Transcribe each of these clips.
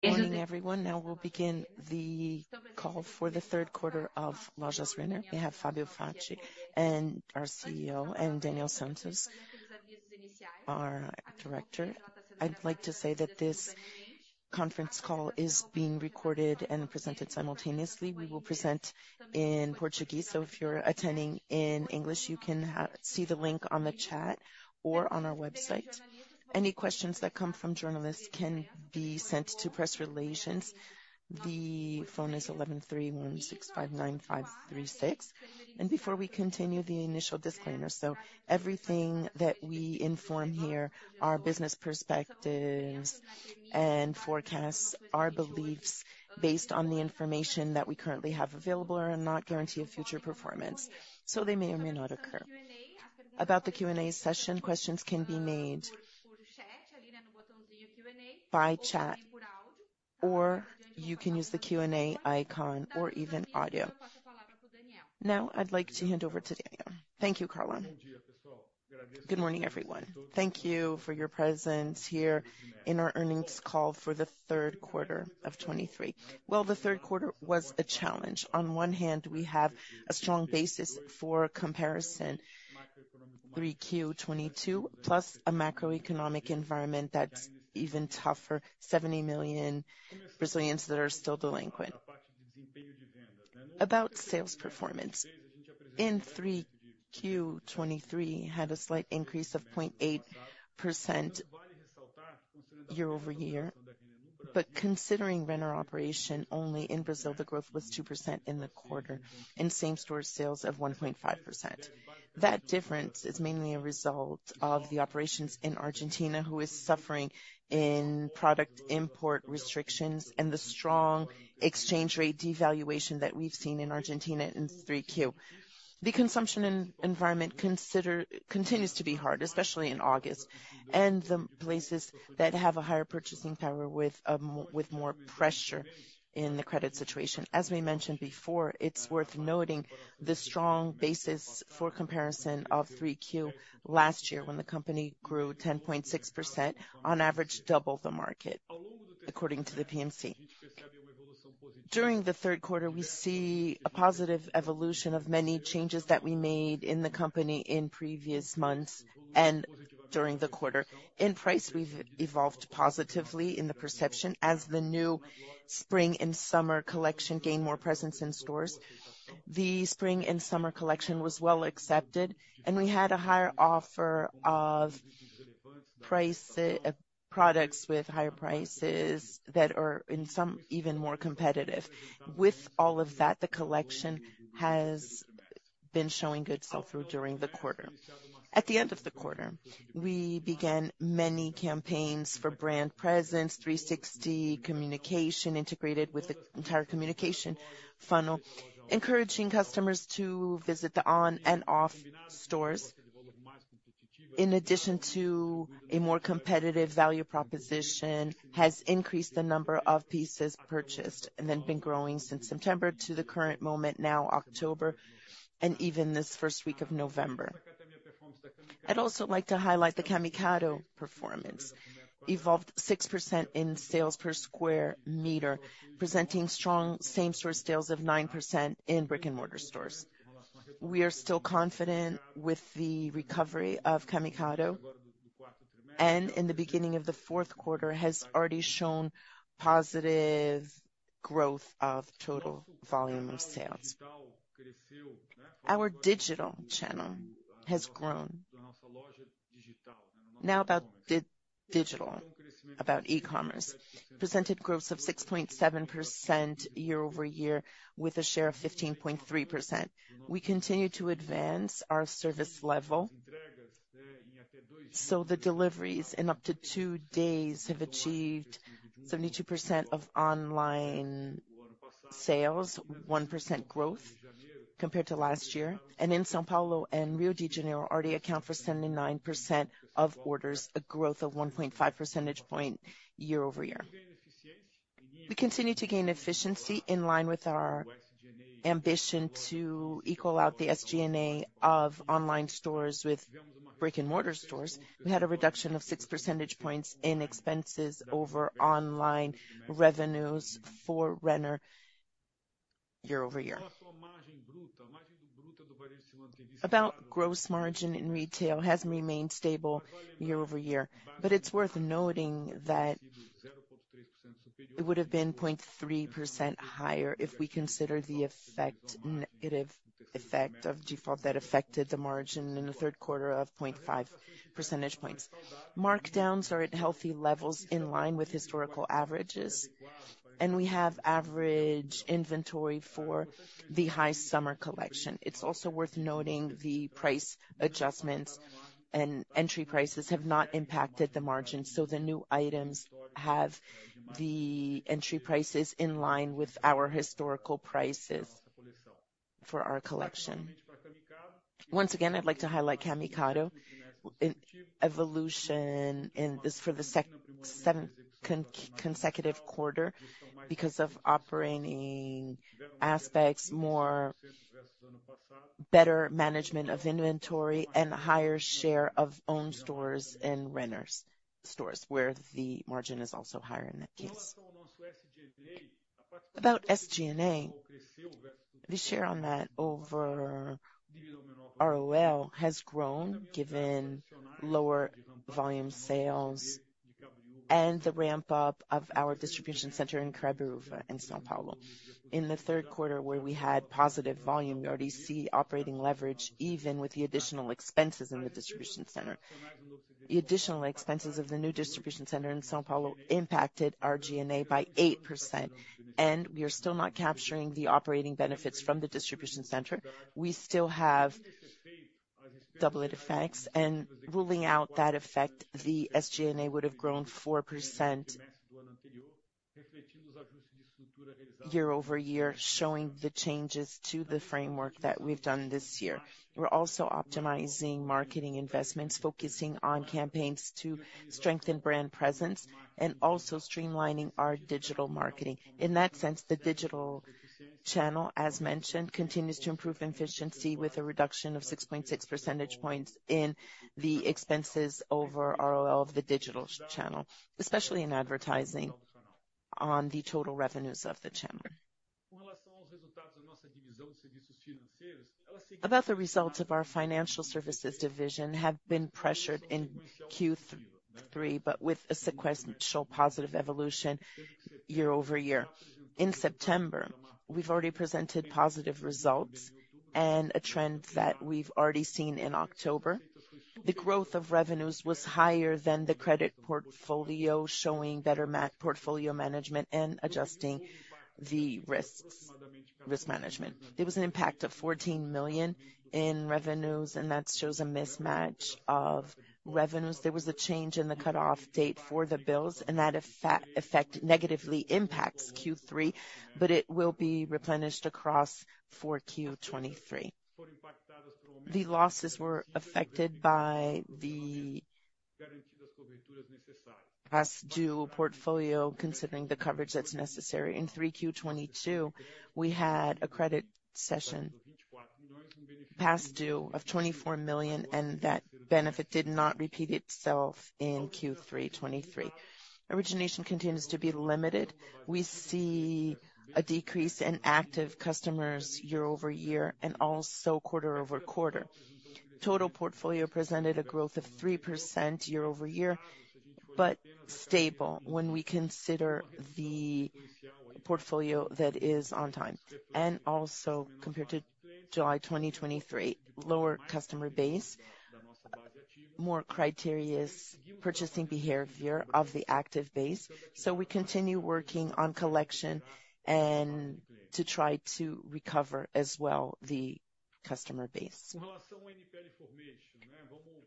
Good morning, everyone. Now we'll begin the call for Q3 of Lojas Renner. We have Fabio Faccio, our CEO, and Daniel Santos, our director. I'd like to say that this conference call is being recorded and presented simultaneously. We will present in Portuguese, so if you're attending in English, you can see the link on the chat or on our website. Any questions that come from journalists can be sent to press relations. The phone is 11 3165 9536. Before we continue, the initial disclaimer, so everything that we inform here, our business perspectives and forecasts, are beliefs based on the information that we currently have available, and are not guarantee of future performance, so they may or may not occur. About the Q&A session, questions can be made by chat, or you can use the Q&A icon, or even audio. Now, I'd like to hand over to Daniel. Thank you, Carla. Good morning, everyone. Thank you for your presence here in our earnings call for Q3 of 2023. well, Q3 was a challenge. On one hand, we have a strong basis for comparison, Q3 2022, plus a macroeconomic environment that's even tougher, 70 million that are still delinquent. About sales performance. In Q3 2023 had a slight increase of 0.8% year-over-year, but considering Renner operation only in Brazil, the growth was 2% in the quarter, and same-store sales of 1.5%. That difference is mainly a result of the operations in Argentina, who is suffering in product import restrictions and the strong exchange rate devaluation that we've seen in Argentina in Q3. The consumption environment continues to be hard, especially in August, and the places that have a higher purchasing power with more pressure in the credit situation. As we mentioned before, it's worth noting the strong basis for comparison of Q3 last year, when the company grew 10.6% on average, double the market, according to the PMC. During Q3, we see a positive evolution of many changes that we made in the company in previous months and during the quarter. In price, we've evolved positively in the perception as the new spring and summer collection gained more presence in stores. The spring and summer collection was well accepted, and we had a higher offer of price, products with higher prices that are in some even more competitive. With all of that, the collection has been showing good sell-through during the quarter. At the end of the quarter, we began many campaigns for brand presence, 360 communication, integrated with the entire communication funnel, encouraging customers to visit the on and off stores. In addition to a more competitive value proposition, has increased the number of pieces purchased and then been growing since September to the current moment now, October, and even this first week of November. I'd also like to highlight the Camicado performance, evolved 6% in sales per square meter, presenting strong same-store sales of 9% in brick-and-mortar stores. We are still confident with the recovery of Camicado, and in the beginning of Q4, has already shown positive growth of total volume of sales. Our digital channel has grown. Now, about digital, about e-commerce, presented growth of 6.7% year-over-year, with a share of 15.3%. We continue to advance our service level, so the deliveries in up to two days have achieved 72% of online sales, 1% growth compared to last year, and in São Paulo and Rio de Janeiro, already account for 79% of orders, a growth of 1.5 percentage points year-over-year. We continue to gain efficiency in line with our ambition to equal out the SG&A of online stores with brick-and-mortar stores. We had a reduction of 6 percentage points in expenses over online revenues for Renner year-over-year. About gross margin in retail has remained stable year-over-year, but it's worth noting that it would have been 0.3% higher if we consider the negative effect of default that affected the margin in Q3 of 0.5 percentage points. Markdowns are at healthy levels in line with historical averages, and we have average inventory for the high summer collection. It's also worth noting the price adjustments and entry prices have not impacted the margin, so the new items have the entry prices in line with our historical prices for our collection. Once again, I'd like to highlight Camicado. In evolution in the seventh consecutive quarter because of operating aspects, better management of inventory and a higher share of owned stores and renters stores, where the margin is also higher in that case. About SG&A, the share on that over ROL has grown, given lower volume sales and the ramp-up of our distribution center in Cabreúva, in São Paulo. In Q3, where we had positive volume, we already see operating leverage, even with the additional expenses in the distribution center. The additional expenses of the new distribution center in São Paulo impacted our G&A by 8%, and we are still not capturing the operating benefits from the distribution center. We still have doublet effects, and ruling out that effect, the SG&A would have grown 4% year-over-year, showing the changes to the framework that we've done this year. We're also optimizing marketing investments, focusing on campaigns to strengthen brand presence and also streamlining our digital marketing. In that sense, the digital channel, as mentioned, continues to improve efficiency, with a reduction of 6.6 percentage points in the expenses over ROL of the digital channel, especially in advertising on the total revenues of the channel. About the results of our financial services division, have been pressured in Q3, but with a sequential positive evolution year-over-year. In September, we've already presented positive results and a trend that we've already seen in October. The growth of revenues was higher than the credit portfolio, showing better portfolio management and adjusting the risks, risk management. There was an impact of 14 million in revenues, and that shows a mismatch of revenues. There was a change in the cutoff date for the bills, and that effect negatively impacts Q3, but it will be replenished across for Q4 2023. The losses were affected by the past due portfolio, considering the coverage that's necessary. In Q3 2022, we had a credit provision past due of 24 million, and that benefit did not repeat itself in Q3 2023. Origination continues to be limited. We see a decrease in active customers year-over-year and also quarter-over-quarter. Total portfolio presented a growth of 3% year-over-year, but stable when we consider the portfolio that is on time, and also compared to July 2023. Lower customer base, more cautious purchasing behavior of the active base. So we continue working on collection and to try to recover as well, the customer base.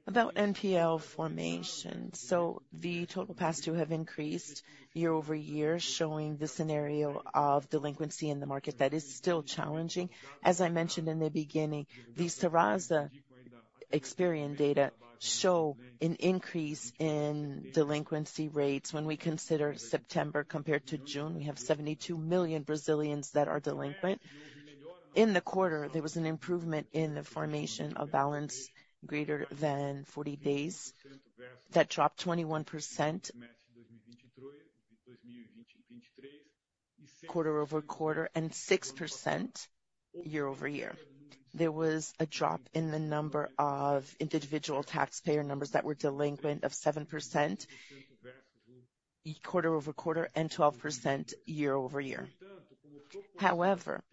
About NPL formation, the total past due have increased year-over-year, showing the scenario of delinquency in the market that is still challenging. As I mentioned in the beginning, the Serasa Experian data show an increase in delinquency rates when we consider September compared to June. We have 72 million that are delinquent. In the quarter, there was an improvement in the formation of balance greater than 40 days. That dropped 21% quarter-over-quarter and 6% year-over-year. There was a drop in the number of individual taxpayer numbers that were delinquent of 7% quarter-over-quarter and 12% year-over-year. However,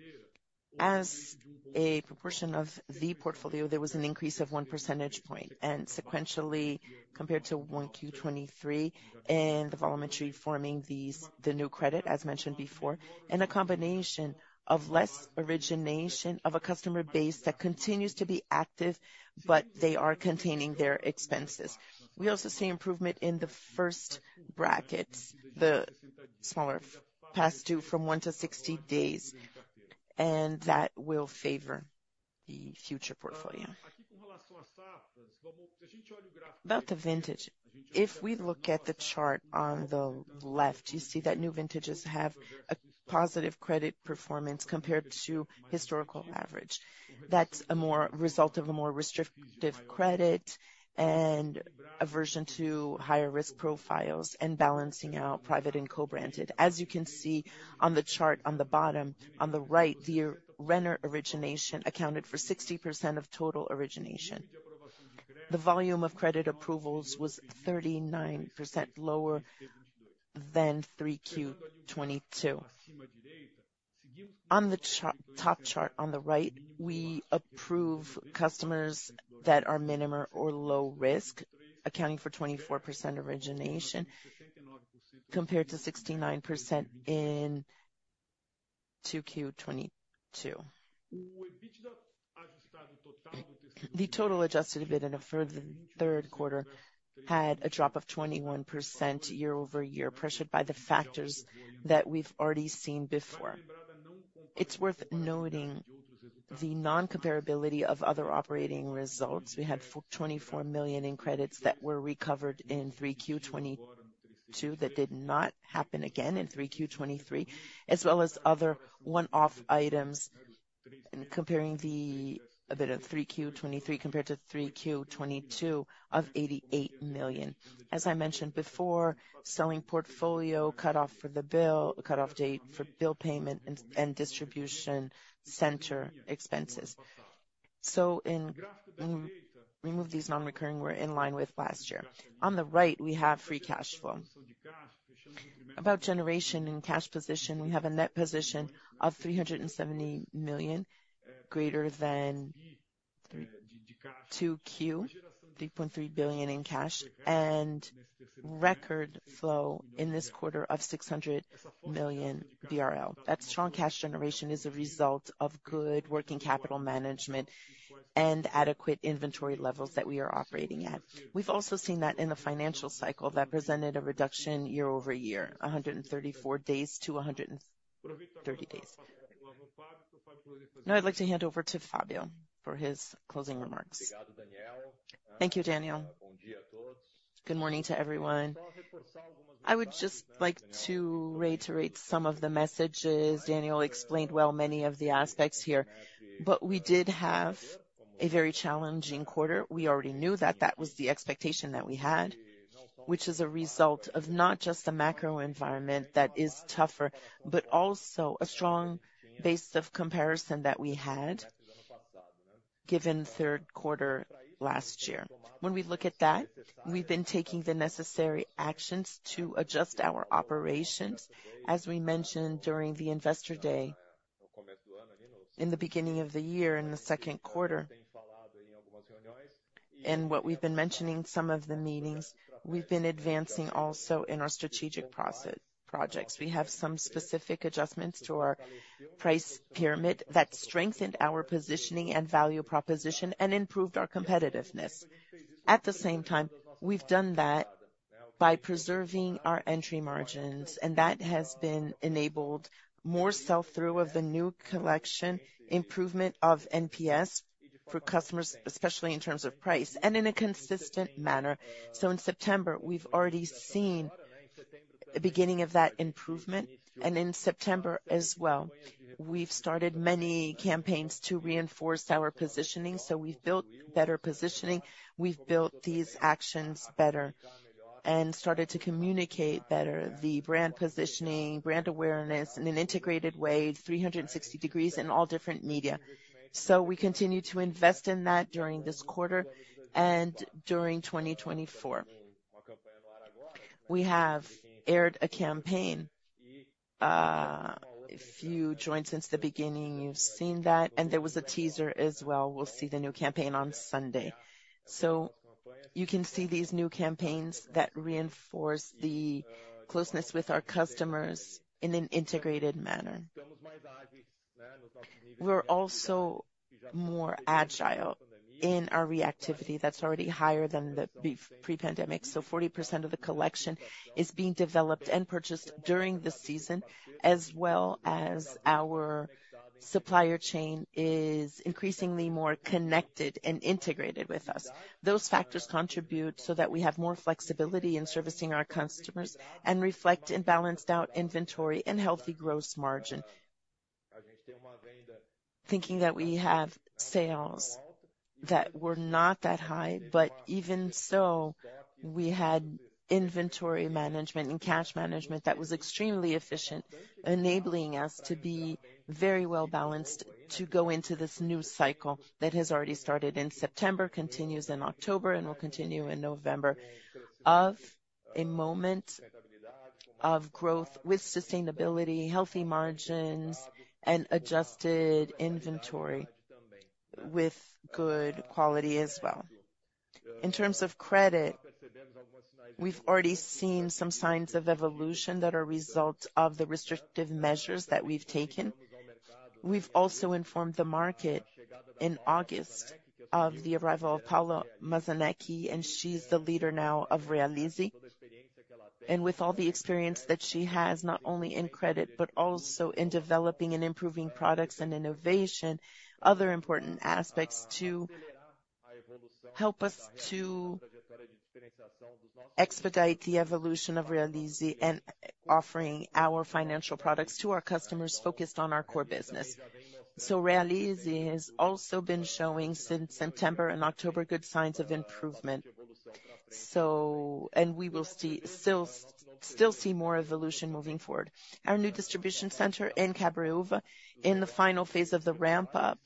as a proportion of the portfolio, there was an increase of one percentage point and sequentially compared to Q1 2023 and the voluntary forming these, the new credit, as mentioned before, and a combination of less origination of a customer base that continues to be active, but they are containing their expenses. We also see improvement in the first bracket, the smaller past due from 1-60 days, and that will favor the future portfolio. About the vintage, if we look at the chart on the left, you see that new vintages have a positive credit performance compared to historical average. That's a more result of a more restrictive credit and aversion to higher risk profiles and balancing out private and co-branded. As you can see on the chart on the bottom, on the right, the Renner origination accounted for 60% of total origination. The volume of credit approvals was 39% lower than Q3 2022. On the top chart on the right, we approve customers that are minimal or low risk, accounting for 24% origination, compared to 69% in Q2 2022. The total adjusted EBITDA in Q3 had a drop of 21% year-over-year, pressured by the factors that we've already seen before. It's worth noting the non-comparability of other operating results. We had 24 million in credits that were recovered in Q3 2022 that did not happen again in Q3 2023, as well as other one-off items. In comparing the, a bit of Q3 2023 compared to Q3 2022 of 88 million. As I mentioned before, sewing portfolio cut off for the bill, cut off date for bill payment and distribution center expenses. Remove these non-recurring, we're in line with last year. On the right, we have free cash flow. About generation and cash position, we have a net position of 370 million, greater than Q3, 3.3 billion in cash, and record flow in this quarter of 600 million. That strong cash generation is a result of good working capital management and adequate inventory levels that we are operating at. We've also seen that in the financial cycle, that presented a reduction year-over-year, 134 days to 130 days. Now, I'd like to hand over to Fabio for his closing remarks. Thank you, Daniel. Good morning to everyone. I would just like to reiterate some of the messages. Daniel explained well many of the aspects here, but we did have a very challenging quarter. We already knew that, that was the expectation that we had, which is a result of not just the macro environment that is tougher, but also a strong base of comparison that we had, given Q3 last year. When we look at that, we've been taking the necessary actions to adjust our operations, as we mentioned during the Investor Day, in the beginning of the year, in the Q2. And what we've been mentioning in some of the meetings, we've been advancing also in our strategic projects. We have some specific adjustments to our price pyramid that strengthened our positioning and value proposition, and improved our competitiveness. At the same time, we've done that by preserving our entry margins, and that has enabled more sell-through of the new collection, improvement of NPS for customers, especially in terms of price, and in a consistent manner. In September, we've already seen the beginning of that improvement, and in September as well, we've started many campaigns to reinforce our positioning. We've built better positioning, we've built these actions better and started to communicate better the brand positioning, brand awareness in an integrated way, 360 degrees in all different media. We continue to invest in that during this quarter and during 2024. We have aired a campaign, if you joined since the beginning, you've seen that, and there was a teaser as well. We'll see the new campaign on Sunday. You can see these new campaigns that reinforce the closeness with our customers in an integrated manner. We're also more agile in our reactivity that's already higher than the pre-pandemic. 40% of the collection is being developed and purchased during the season, as well as our supplier chain is increasingly more connected and integrated with us. Those factors contribute so that we have more flexibility in servicing our customers and reflect in balanced out inventory and healthy gross margin. Thinking that we have sales that were not that high, but even so, we had inventory management and cash management that was extremely efficient, enabling us to be very well balanced, to go into this new cycle that has already started in September, continues in October, and will continue in November, of a moment of growth with sustainability, healthy margins and adjusted inventory with good quality as well. In terms of credit, we've already seen some signs of evolution that are a result of the restrictive measures that we've taken. We've also informed the market in August of the arrival of Paula Mazanék, and she's the leader now of Realize. With all the experience that she has, not only in credit, but also in developing and improving products and innovation, other important aspects to help us to expedite the evolution of Realize and offering our financial products to our customers, focused on our core business. Realize has also been showing since September and October good signs of improvement and we will still see more evolution moving forward. Our new distribution center in Cabreúva, in the final phase of the ramp up,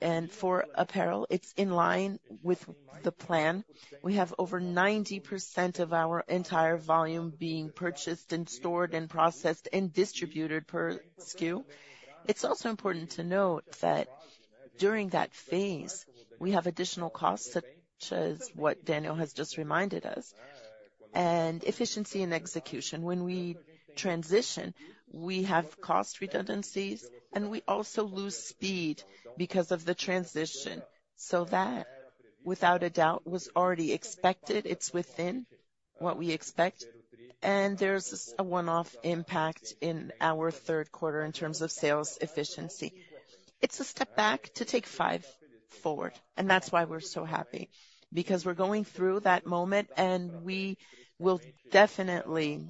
and for apparel, it's in line with the plan. We have over 90% of our entire volume being purchased, stored, processed, and distributed per SKU. It's also important to note that during that phase, we have additional costs, such as what Daniel has just reminded us, and efficiency and execution. When we transition, we have cost redundancies, and we also lose speed because of the transition. That, without a doubt, was already expected. It's within what we expect, and there's a one-off impact in our Q3 in terms of sales efficiency. It's a step back to take five forward, and that's why we're so happy, because we're going through that moment and we will definitely,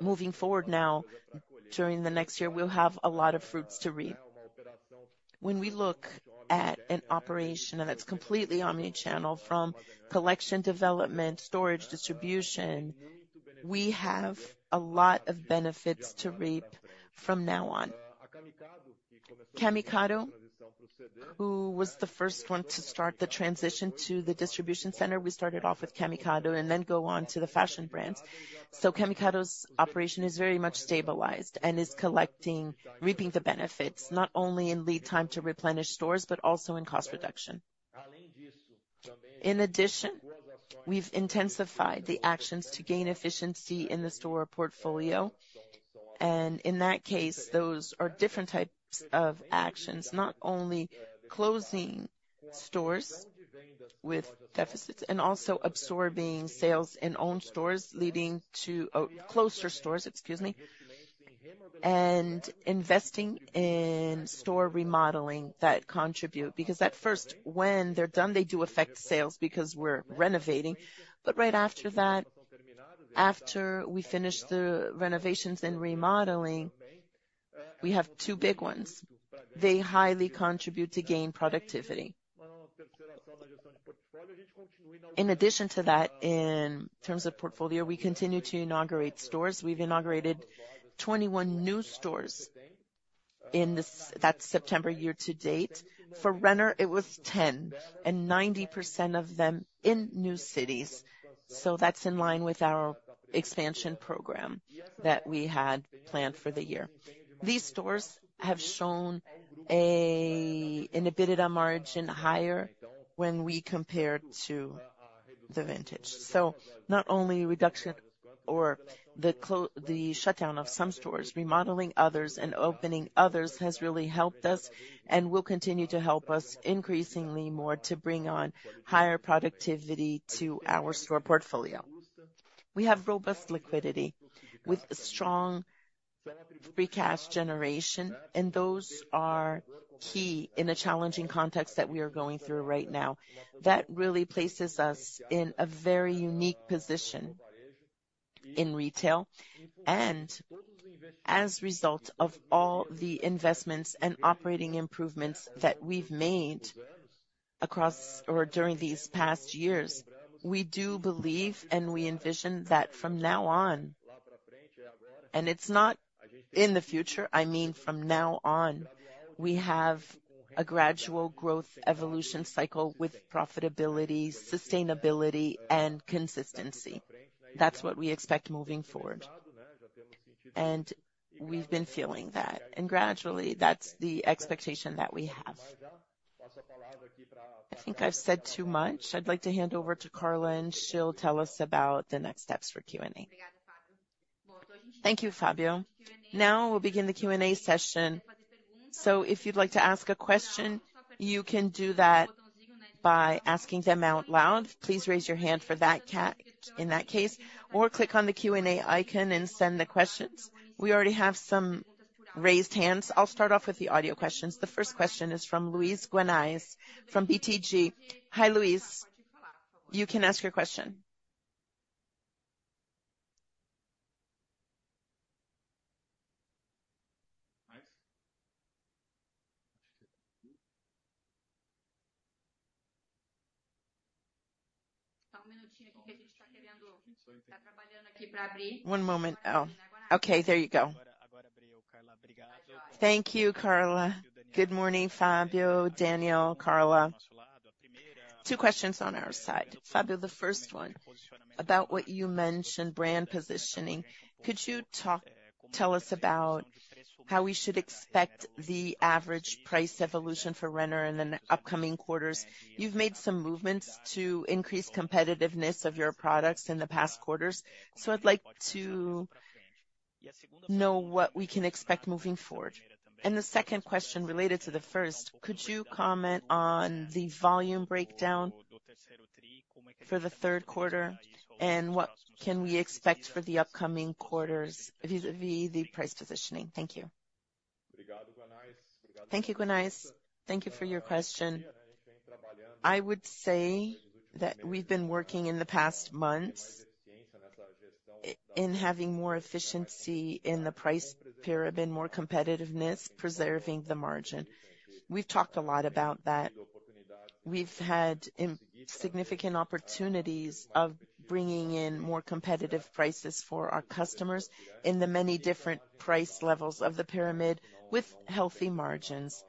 moving forward now, during the next year, we'll have a lot of fruits to reap. When we look at an operation that's completely omni-channel, from collection, development, storage, and distribution, we have a lot of benefits to reap from now on. Camicado, who was the first one to start the transition to the distribution center, we started off with Camicado and then go on to the fashion brands. Camicado's operation is very much stabilized and is reaping the benefits, not only in lead time to replenish stores, but also in cost reduction. In addition, we've intensified the actions to gain efficiency in the store portfolio, and in that case, those are different types of actions, not only closing stores with deficits and also absorbing sales in closer stores, and investing in store remodeling that contribute because at first, when they're done, they do affect sales because we're renovating, but right after that, after we finish the renovations and remodeling, we have two big ones. They highly contribute to gain productivity. In addition to that, in terms of portfolio, we continue to inaugurate stores. We've inaugurated 21 new stores in that September year to date. For Renner, it was 10, and 90% of them in new cities. That's in line with our expansion program that we had planned for the year. These stores have shown an EBITDA margin higher when we compare to the vintage. Not only reduction or the shutdown of some stores, remodeling others and opening others, has really helped us and will continue to help us increasingly more to bring on higher productivity to our store portfolio. We have robust liquidity with strong free cash generation, and those are key in the challenging context that we are going through right now. That really places us in a very unique position in retail, and as a result of all the investments and operating improvements that we've made across or during these past years, we do believe, and we envision that from now on, and it's not in the future, I mean, from now on, we have a gradual growth evolution cycle with profitability, sustainability, and consistency. That's what we expect moving forward, and we've been feeling that, and gradually, that's the expectation that we have. I think I've said too much. I'd like to hand over to Carla, and she'll tell us about the next steps for Q&A. Thank you, Fabio. Now we'll begin the Q&A session. If you'd like to ask a question, you can do that by asking them out loud. Please raise your hand in that case, or click on the Q&A icon and send the questions. We already have some raised hands. I'll start off with the audio questions. The first question is from Luiz Guanais, from BTG. Hi, Luis. You can ask your question. One moment. Okay, there you go. Thank you, Carla. Good morning, Fabio, Daniel, Carla. Two questions on our side. Fabio, the first one, about what you mentioned, brand positioning. Could you tell us about how we should expect the average price evolution for Renner in the upcoming quarters? You've made some movements to increase competitiveness of your products in the past quarters, so I'd like to know what we can expect moving forward. The second question related to the first, could you comment on the volume breakdown for Q3, and what can we expect for the upcoming quarters vis-à-vis the price positioning? Thank you. Thank you, Guanais. Thank you for your question. I would say that we've been working in the past months in having more efficiency in the price pyramid, more competitiveness, preserving the margin. We've talked a lot about that. We've had in significant opportunities of bringing in more competitive prices for our customers in the many different price levels of the pyramid with healthy margins.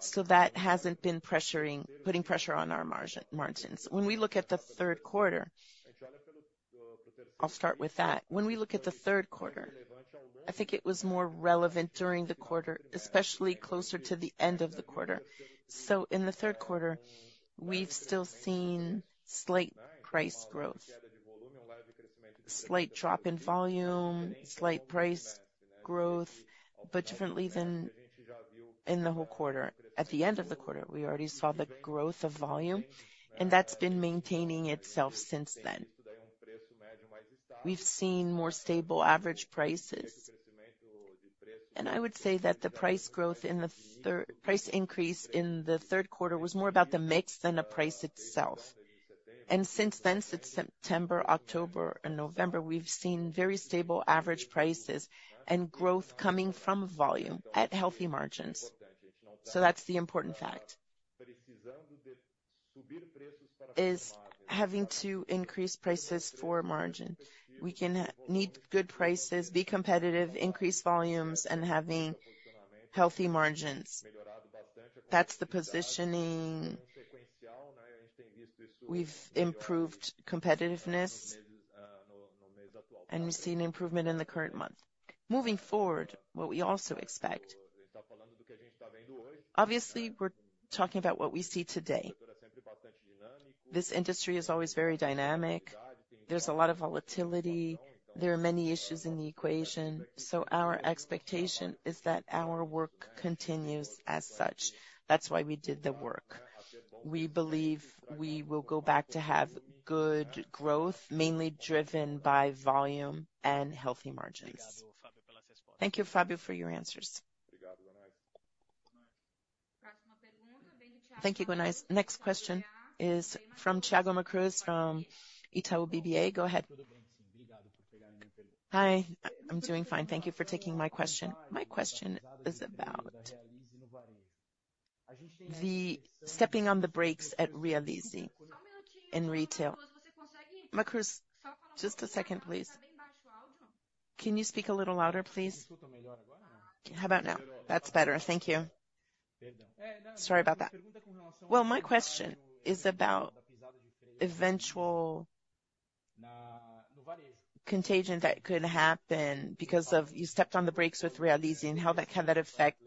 So that hasn't been pressuring, putting pressure on our margin, margins. When we look at Q3, I'll start with that. When we look at Q3, I think it was more relevant during the quarter, especially closer to the end of the quarter. In Q3, we've still seen slight price growth, slight drop in volume, slight price growth, but differently than in the whole quarter. At the end of the quarter, we already saw the growth of volume, and that's been maintaining itself since then. We've seen more stable average prices. I would say that the price increase in Q3 was more about the mix than the price itself. Since then, since September, October, and November, we've seen very stable average prices and growth coming from volume at healthy margins. That's the important fact. Is having to increase prices for margin. We can need good prices, be competitive, increase volumes, and having healthy margins. That's the positioning. We've improved competitiveness, and we've seen improvement in the current month. Moving forward, what we also expect. Obviously, we're talking about what we see today. This industry is always very dynamic. There's a lot of volatility, there are many issues in the equation, so our expectation is that our work continues as such. That's why we did the work. We believe we will go back to have good growth, mainly driven by volume and healthy margins. Thank you, Fabio, for your answers. Thank you, Guanais. Next question is from Thiago Macruz from Itaú BBA. Go ahead. Hi, I'm doing fine. Thank you for taking my question. My question is about the stepping on the brakes at Realize in retail. Macruz, just a second, please. Can you speak a little louder, please? How about now? That's better. Thank you. Sorry about that. Well, my question is about eventual contagion that could happen because of you stepped on the brakes with Realize, and how that, how that affect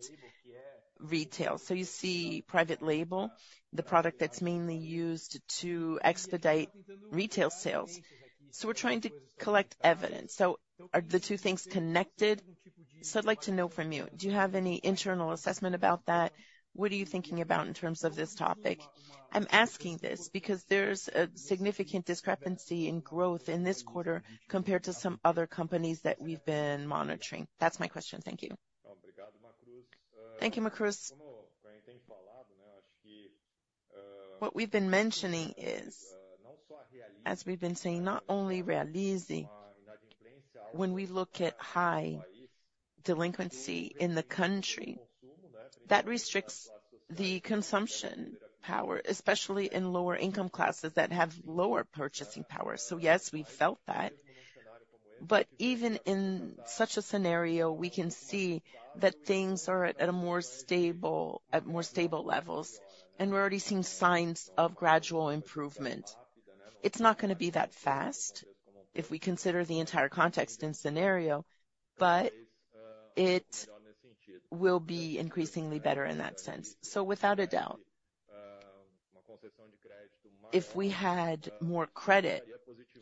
retail. You see private label, the product that's mainly used to expedite retail sales. So we're trying to collect evidence. Are the two things connected? I'd like to know from you, do you have any internal assessment about that? What are you thinking about in terms of this topic? I'm asking this because there's a significant discrepancy in growth in this quarter compared to some other companies that we've been monitoring. That's my question. Thank you. Thank you, Macruz. What we've been mentioning is, as we've been saying, not only Realize, when we look at high delinquency in the country, that restricts the consumption power, especially in lower income classes that have lower purchasing power. Yes, we felt that. But even in such a scenario, we can see that things are at a more stable, at more stable levels, and we're already seeing signs of gradual improvement. It's not going to be that fast if we consider the entire context and scenario, but it will be increasingly better in that sense. Without a doubt, if we had more credit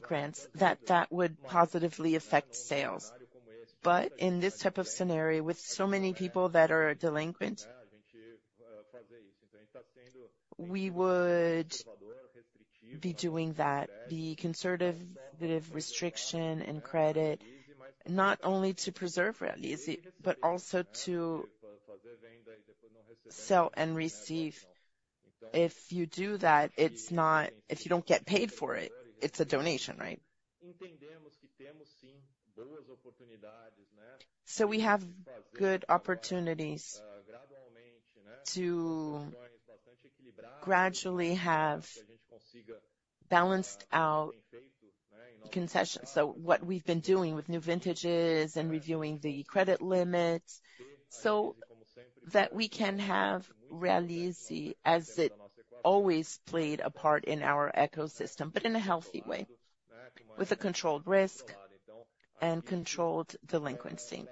grants, that, that would positively affect sales, but in this type of scenario, with so many people that are delinquent, we would be doing that, the conservative restriction and credit, not only to preserve Realize, but also to sell and receive. If you do that, it's not, if you don't get paid for it, it's a donation, right? We have good opportunities to gradually have balanced out concessions. What we've been doing with new vintages and reviewing the credit limits, so that we can have Realize as it always played a part in our ecosystem, but in a healthy way, with a controlled risk and controlled delinquency.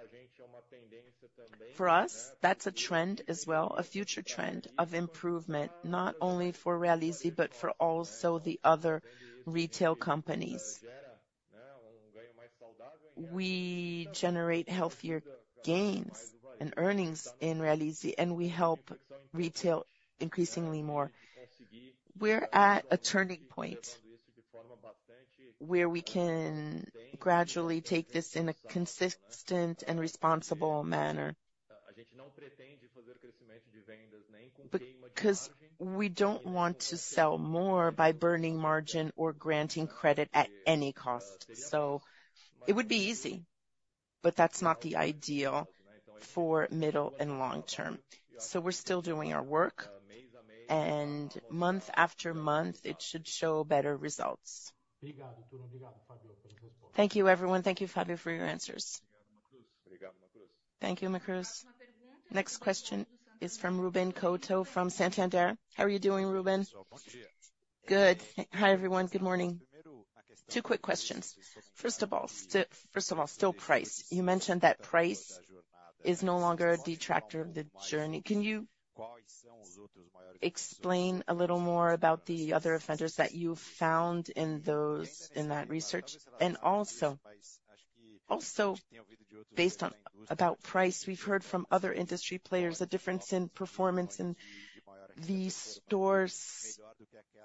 For us, that's a trend as well, a future trend of improvement, not only for Realize, but for also the other retail companies. We generate healthier gains and earnings in Realize, and we help retail increasingly more. We're at a turning point where we can gradually take this in a consistent and responsible manner because we don't want to sell more by burning margin or granting credit at any cost. So it would be easy, but that's not the ideal for middle and long term. So we're still doing our work, and month after month, it should show better results. Thank you, everyone. Thank you, Fabio, for your answers. Thank you, Macruz. Next question is from Ruben Couto from Santander. How are you doing, Ruben? Good. Hi, everyone. Good morning. Two quick questions. First of all, still price. You mentioned that price is no longer a detractor of the journey. Can you explain a little more about the other offenders that you found in those, in that research? Also, based on, about price, we've heard from other industry players a difference in performance in the stores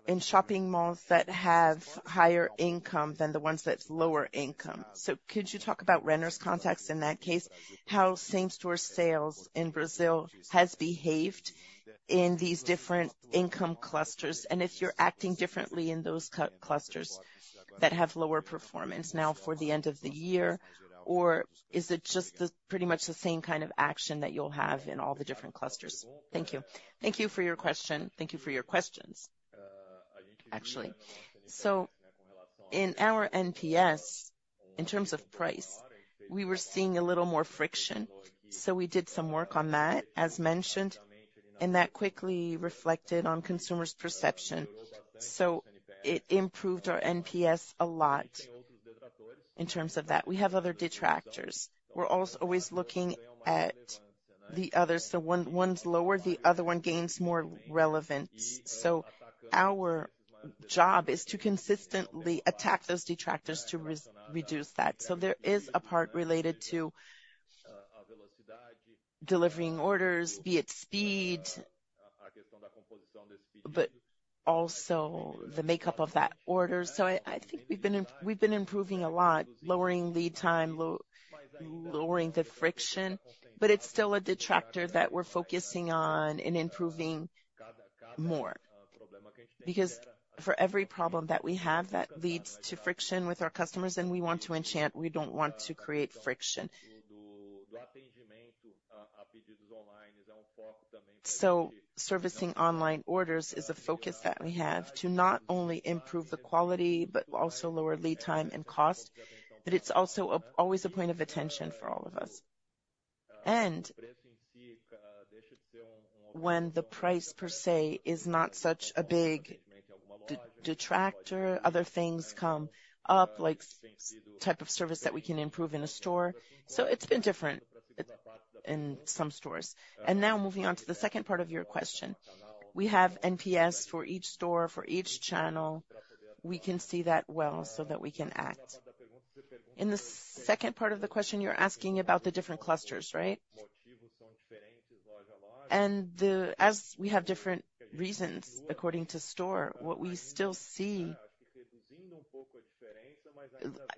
in shopping malls that have higher income than the ones that's lower income. Could you talk about Renner's context in that case, how same-store sales in Brazil has behaved in these different income clusters? If you're acting differently in those clusters that have lower performance now for the end of the year, or is it just the, pretty much the same kind of action that you'll have in all the different clusters? Thank you. Thank you for your question. Thank you for your questions, actually. In our NPS, in terms of price, we were seeing a little more friction, so we did some work on that, as mentioned, and that quickly reflected on consumers' perception. It improved our NPS a lot in terms of that. We have other detractors. We're also always looking at the others, so one's lower, the other one gains more relevance. Our job is to consistently attack those detractors to reduce that. There is a part related to delivering orders, be it speed, but also the makeup of that order. I think we've been improving a lot, lowering lead time, lowering the friction, but it's still a detractor that we're focusing on and improving more because for every problem that we have, that leads to friction with our customers, and we want to enchant, we don't want to create friction. Servicing online orders is a focus that we have, to not only improve the quality, but also lower lead time and cost but it's always a point of attention for all of us. When the price, per se, is not such a big detractor, other things come up, like type of service that we can improve in a store. It's been different in some stores. And now moving on to the second part of your question. We have NPS for each store, for each channel. We can see that well, so that we can act. In the second part of the question, you're asking about the different clusters, right? As we have different reasons according to store, what we still see,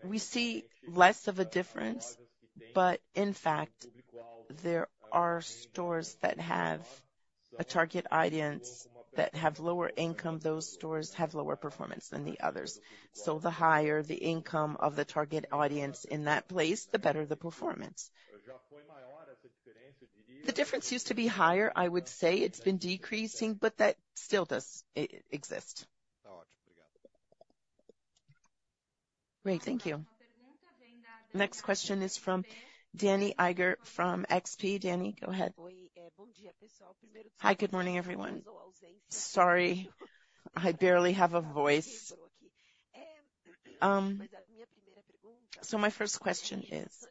we see less of a difference, but in fact, there are stores that have a target audience that have lower income. Those stores have lower performance than the others. The higher the income of the target audience in that place, the better the performance. The difference used to be higher, I would say. It's been decreasing, but that still does exist. Great, thank you. Next question is from Dani Eiger, from XP. Dani, go ahead. Hi, good morning, everyone. Sorry, I barely have a voice. My first question is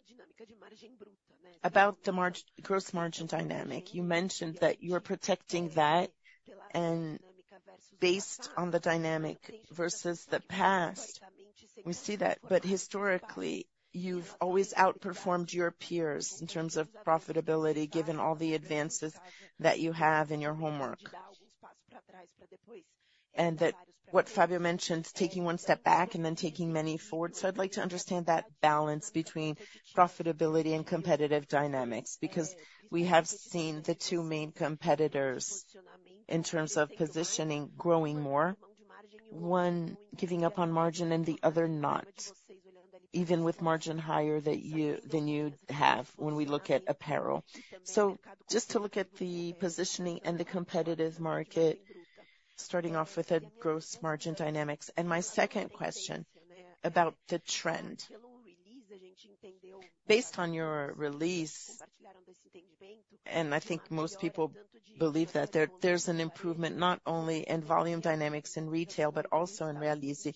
about the gross margin dynamic. You mentioned that you are protecting that, and based on the dynamic versus the past, we see that, but historically, you've always outperformed your peers in terms of profitability, given all the advances that you have in your homework and what Fabio mentioned, taking one step back and then taking many forward. I'd like to understand that balance between profitability and competitive dynamics, because we have seen the two main competitors, in terms of positioning, growing more, one giving up on margin and the other not, even with margin higher that you, than you'd have when we look at apparel. Just to look at the positioning and the competitive market, starting off with the gross margin dynamics and my second question, about the trend. Based on your release, and I think most people believe that there, there's an improvement, not only in volume dynamics in retail, but also in Realize.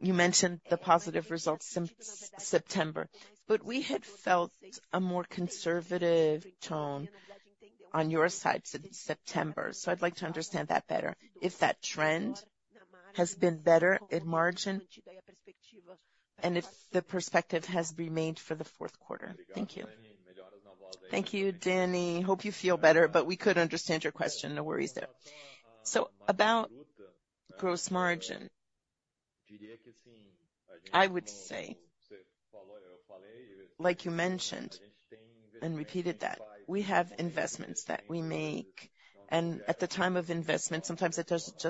You mentioned the positive results in September, but we had felt a more conservative tone on your side since September. I'd like to understand that better, if that trend has been better in margin, and if the perspective has remained for Q4. Thank you. Thank you, Dani. Hope you feel better, but we could understand your question. No worries there. About gross margin, I would say, like you mentioned and repeated that, we have investments that we make, and at the time of investment, sometimes it just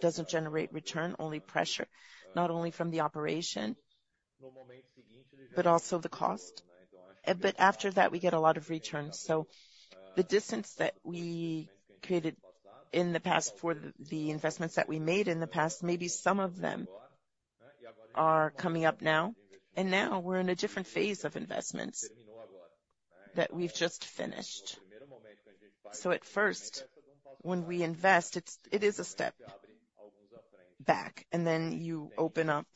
doesn't generate return, only pressure, not only from the operation, but also the cost but after that, we get a lot of returns. The distance that we created in the past for the, the investments that we made in the past, maybe some of them are coming up now, and now we're in a different phase of investments that we've just finished. At first, when we invest, it is a step back, and then you open up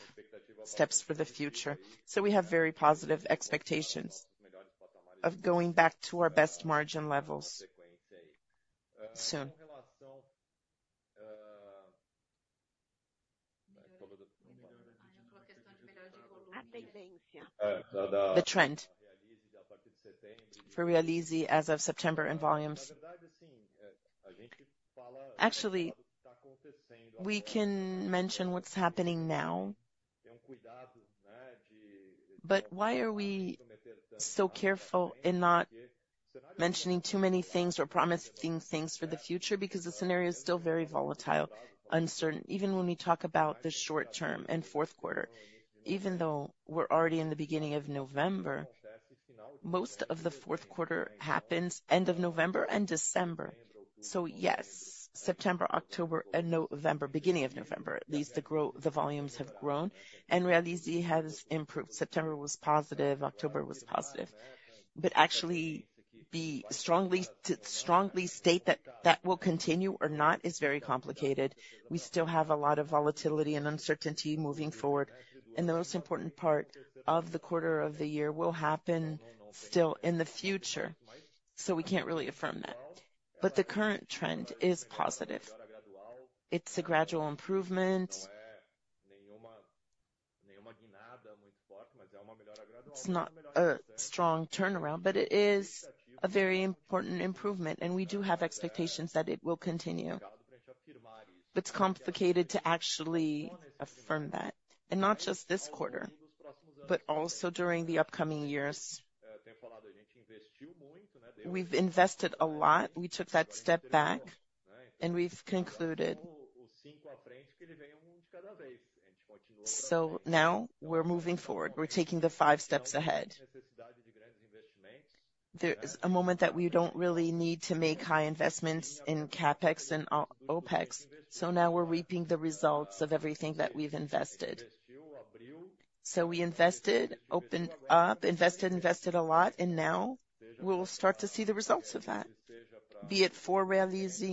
steps for the future. We have very positive expectations of going back to our best margin levels soon. The trend for Realize as of September in volumes. Actually, we can mention what's happening now, but why are we so careful in not mentioning too many things or promising things for the future? Because the scenario is still very volatile, uncertain, even when we talk about the short-term and Q4. Even though we're already in the beginning of November, most of Q4 happens end of November and December. Yes, September, October, and November, beginning of November, at least, the volumes have grown, and Realize has improved. September was positive, October was positive, but actually, to strongly state that will continue or not is very complicated. We still have a lot of volatility and uncertainty moving forward, and the most important part of the quarter of the year will happen still in the future, so we can't really affirm that, but the current trend is positive. It's a gradual improvement. It's not a strong turnaround, but it is a very important improvement, and we do have expectations that it will continue, but it's complicated to actually affirm that, and not just this quarter, but also during the upcoming years. We've invested a lot. We took that step back, and we've concluded. Now we're moving forward. We're taking five steps ahead. There is a moment that we don't really need to make high investments in CapEx and OpEx, so now we're reaping the results of everything that we've invested. We invested a lot, and now we'll start to see the results of that, be it for Realize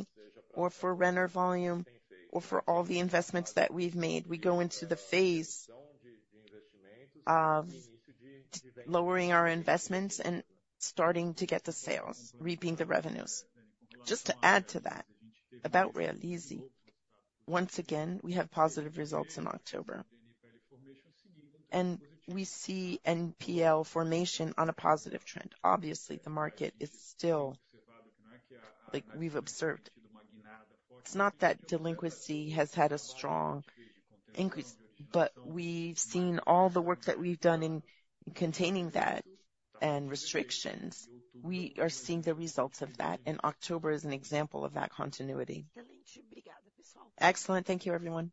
or for Renner volume or for all the investments that we've made. We go into the phase of lowering our investments and starting to get the sales, reaping the revenues. Just to add to that, about Realize, once again, we have positive results in October, and we see NPL formation on a positive trend. Obviously, the market is still like we've observed. It's not that delinquency has had a strong increase, but we've seen all the work that we've done in containing that and restrictions. We are seeing the results of that, and October is an example of that continuity. Excellent. Thank you, everyone.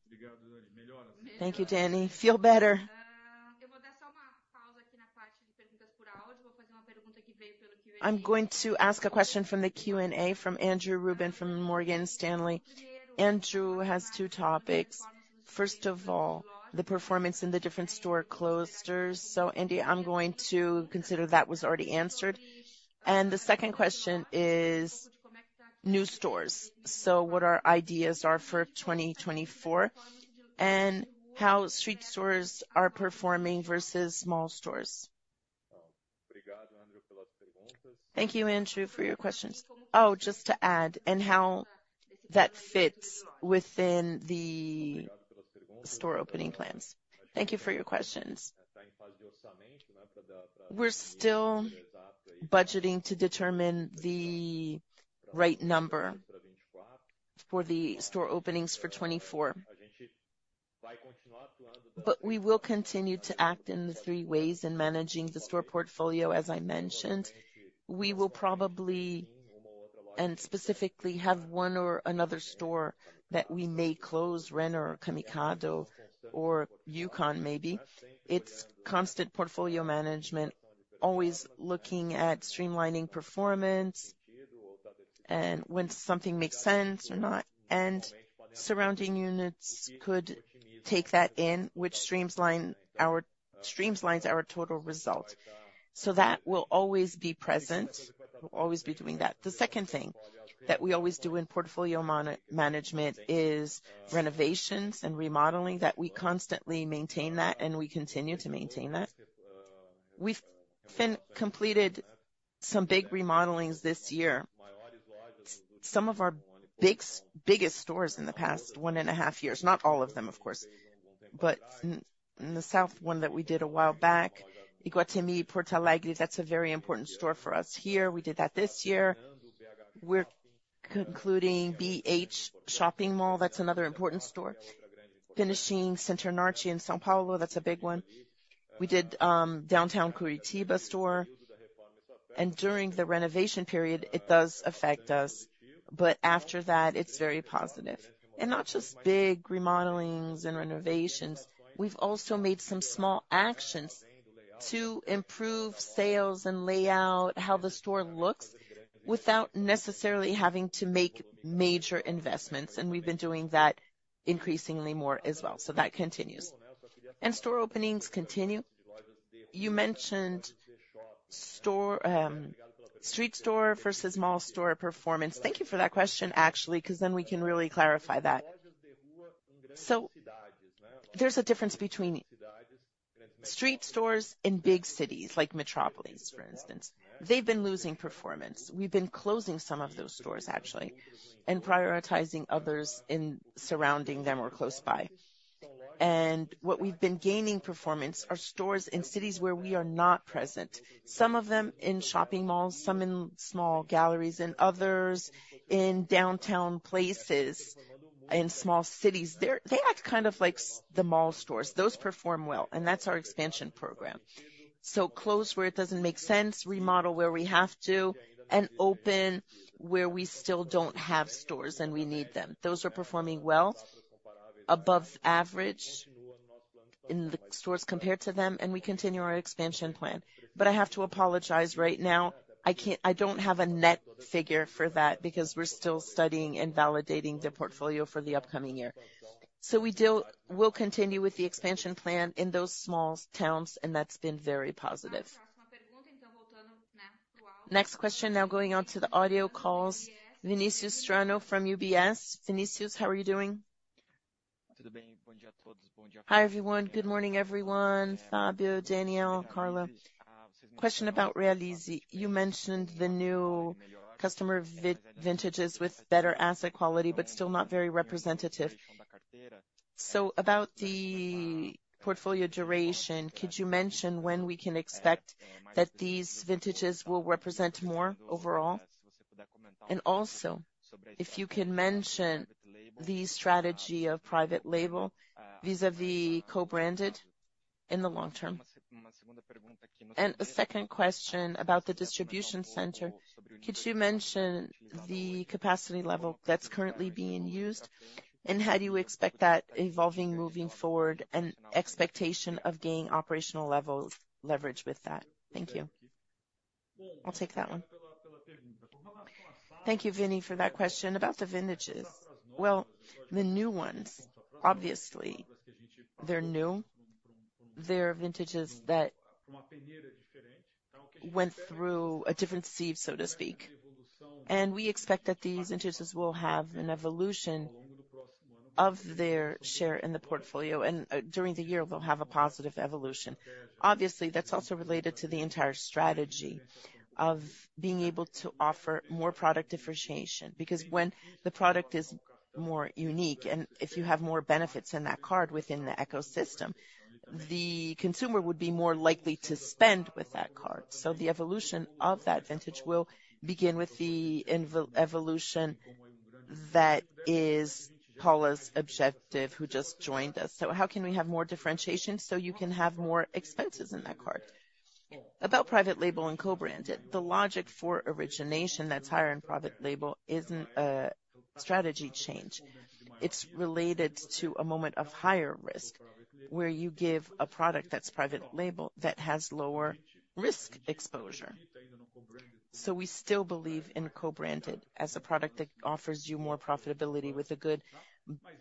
Thank you, Dani. Feel better. I'm going to ask a question from the Q&A from Andrew Ruben, from Morgan Stanley. Andrew has two topics. First of all, the performance in the different store clusters. Andy, I'm going to consider that was already answered. The second question is new stores. What our ideas are for 2024 and how street stores are performing versus small stores. Thank you, Andrew, for your questions. Just to add, and how that fits within the store opening plans. Thank you for your questions. We're still budgeting to determine the right number for the store openings for 2024, but we will continue to act in the three ways in managing the store portfolio as I mentioned. We will probably and specifically have one or another store that we may close, Renner, Camicado, or Youcom, maybe. It's constant portfolio management, always looking at streamlining performance and when something makes sense or not, and surrounding units could take that in, which streamlines our total result. That will always be present. We'll always be doing that. The second thing that we always do in portfolio management is renovations and remodeling, that we constantly maintain that, and we continue to maintain that. We've completed some big remodelings this year. Some of our biggest stores in the past one and a half years, not all of them, of course, but in the south, one that we did a while back, Iguatemi Porto Alegre, that's a very important store for us here. We did that this year. We're concluding BH Shopping Mall. That's another important store. Finishing Center North in São Paulo, that's a big one. We did downtown Curitiba store, and during the renovation period, it does affect us, but after that, it's very positive and not just big remodelings and renovations, we've also made some small actions to improve sales and layout, how the store looks, without necessarily having to make major investments, and we've been doing that increasingly more as well. That continues, and store openings continue. You mentioned street store versus mall store performance. Thank you for that question, actually, because then we can really clarify that. There's a difference between street stores in big cities, like metropolis, for instance. They've been losing performance. We've been closing some of those stores, actually, and prioritizing others in surrounding them or close by. What we've been gaining performance are stores in cities where we are not present. Some of them in shopping malls, some in small galleries, and others in downtown places, in small cities. They act kind of like the mall stores. Those perform well, and that's our expansion program. Close where it doesn't make sense, remodel where we have to, and open where we still don't have stores, and we need them. Those are performing well, above average in the stores compared to them, and we continue our expansion plan, but I have to apologize right now. I don't have a net figure for that because we're still studying and validating the portfolio for the upcoming year. We'll continue with the expansion plan in those small towns, and that's been very positive. Next question, now going on to the audio calls, Vinicius Strano from UBS. Vinicius, how are you doing? Hi, everyone. Good morning, everyone. Fabio, Daniel, Carla. Question about Realize. You mentioned the new customer vintages with better asset quality, but still not very representative. About the portfolio duration, could you mention when we can expect that these vintages will represent more overall? Also, if you could mention the strategy of private label vis-à-vis co-branded in the long term. Second question about the distribution center. Could you mention the capacity level that's currently being used, and how do you expect that evolving moving forward, and expectation of gaining operational levels leverage with that? Thank you. I'll take that one. Thank you, Vini, for that question about the vintages. Well, the new ones, obviously, they're new. They're vintages that went through a different sieve, so to speak. We expect that these vintages will have an evolution of their share in the portfolio, and during the year, they'll have a positive evolution. Obviously, that's also related to the entire strategy of being able to offer more product differentiation because when the product is more unique, and if you have more benefits in that card within the ecosystem, the consumer would be more likely to spend with that card. The evolution of that vintage will begin with the evolution that is Paula's objective, who just joined us. How can we have more differentiation so you can have more expenses in that card? About private label and co-branded, the logic for origination that's higher in private label isn't a strategy change. It's related to a moment of higher risk, where you give a product that's private label, that has lower risk exposure. We still believe in co-branded as a product that offers you more profitability with a good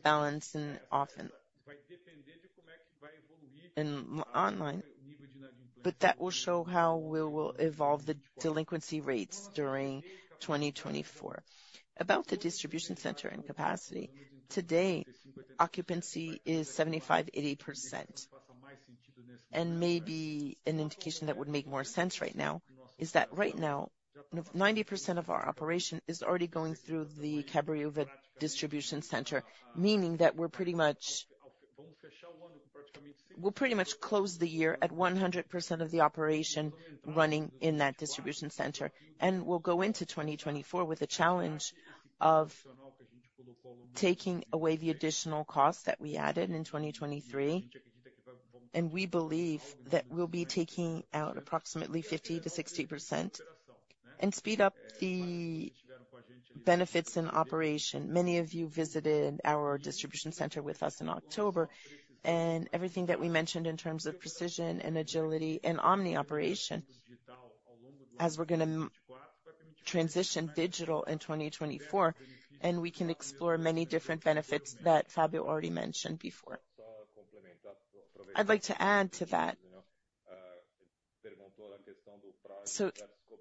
balance and online, but that will show how we will evolve the delinquency rates during 2024. About the distribution center and capacity, today, occupancy is 75%-80%. Maybe an indication that would make more sense right now is that right now, 90% of our operation is already going through the Cabreúva distribution center, meaning that we'll pretty much close the year at 100% of the operation running in that distribution center, and we'll go into 2024 with the challenge of taking away the additional costs that we added in 2023. We believe that we'll be taking out approximately 50%-60% and speed up the benefits in operation. Many of you visited our distribution center with us in October, and everything that we mentioned in terms of precision and agility and omni-channel, as we're going to transition digital in 2024, and we can explore many different benefits that Fabio already mentioned before. I'd like to add to that.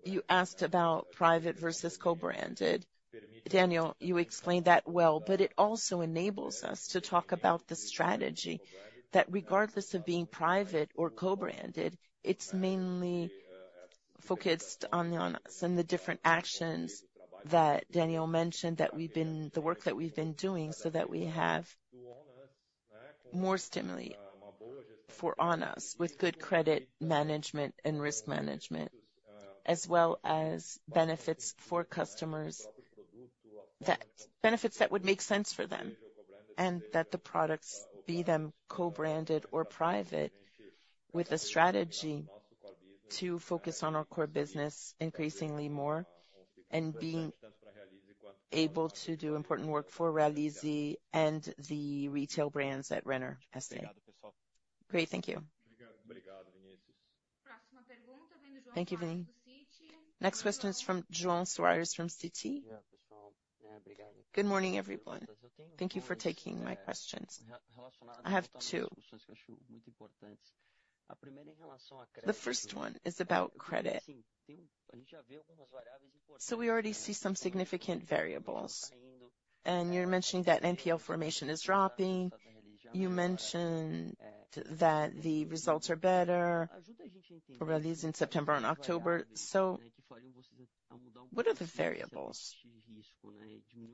You asked about private versus co-branded. Daniel, you explained that well, but it also enables us to talk about the strategy, that regardless of being private or co-branded, it's mainly focused on the Onus and the different actions that Daniel mentioned, the work that we've been doing, so that we have more stimuli for Onus, with good credit management and risk management, as well as benefits for customers, benefits that would make sense for them, and that the products, be them co-branded or private, with a strategy to focus on our core business increasingly more, and being able to do important work for Realize and the retail brands at Renner S.A. Great, thank you. Thank you, Vini. Next question is from João Soares from Citi. Good morning, everyone. Thank you for taking my questions. I have two. The first one is about credit. We already see some significant variables, and you're mentioning that NPL formation is dropping. You mentioned that the results are better, at least in September and October. What are the variables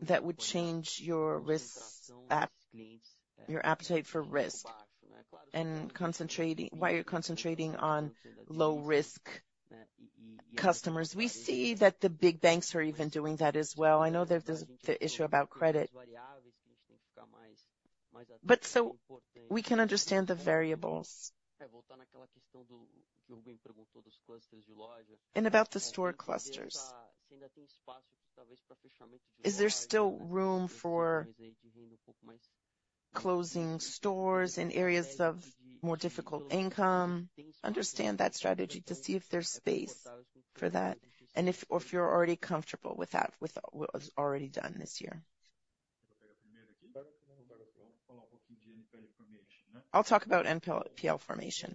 that would change your risk app, your appetite for risk and why you're concentrating on low-risk customers? We see that the big banks are even doing that as well. I know there's the issue about credit but we can understand the variables and about the store clusters. Is there still room for closing stores in areas of more difficult income? Understand that strategy to see if there's space for that or if you're already comfortable with what was already done this year. I'll talk about NPL formation.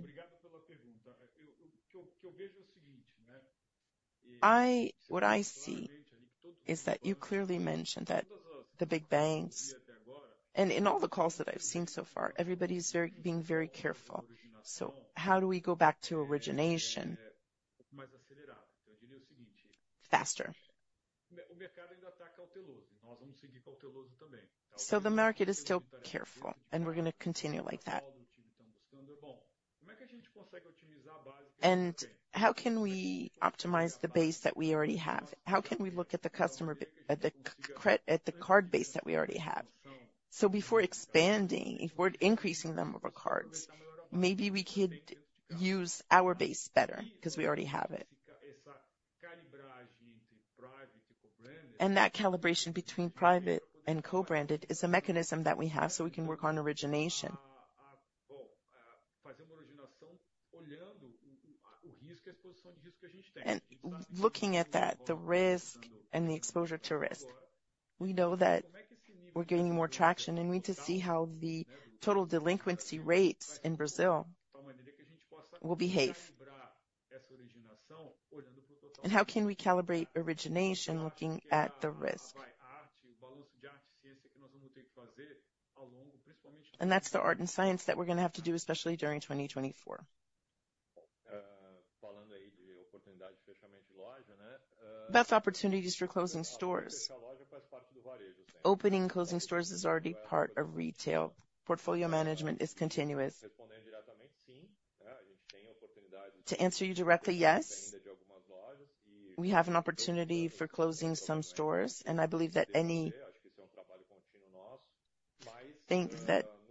What I see is that you clearly mentioned that the big banks, and in all the calls that I've seen so far, everybody's being very careful. How do we go back to origination faster? The market is still careful, and we're going to continue like that. How can we optimize the base that we already have? How can we look at the card base that we already have? Before expanding, if we're increasing the number of cards, maybe we could use our base better because we already have it. That calibration between private and co-branded is a mechanism that we have, so we can work on origination. Looking at that, the risk and the exposure to risk, we know that we're gaining more traction, and we need to see how the total delinquency rates in Brazil will behave. How can we calibrate origination looking at the risk? That's the art and science that we're going to have to do, especially during 2024. That's opportunities for closing stores. Opening and closing stores is already part of retail. Portfolio management is continuous. To answer you directly, yes, we have an opportunity for closing some stores, and I believe that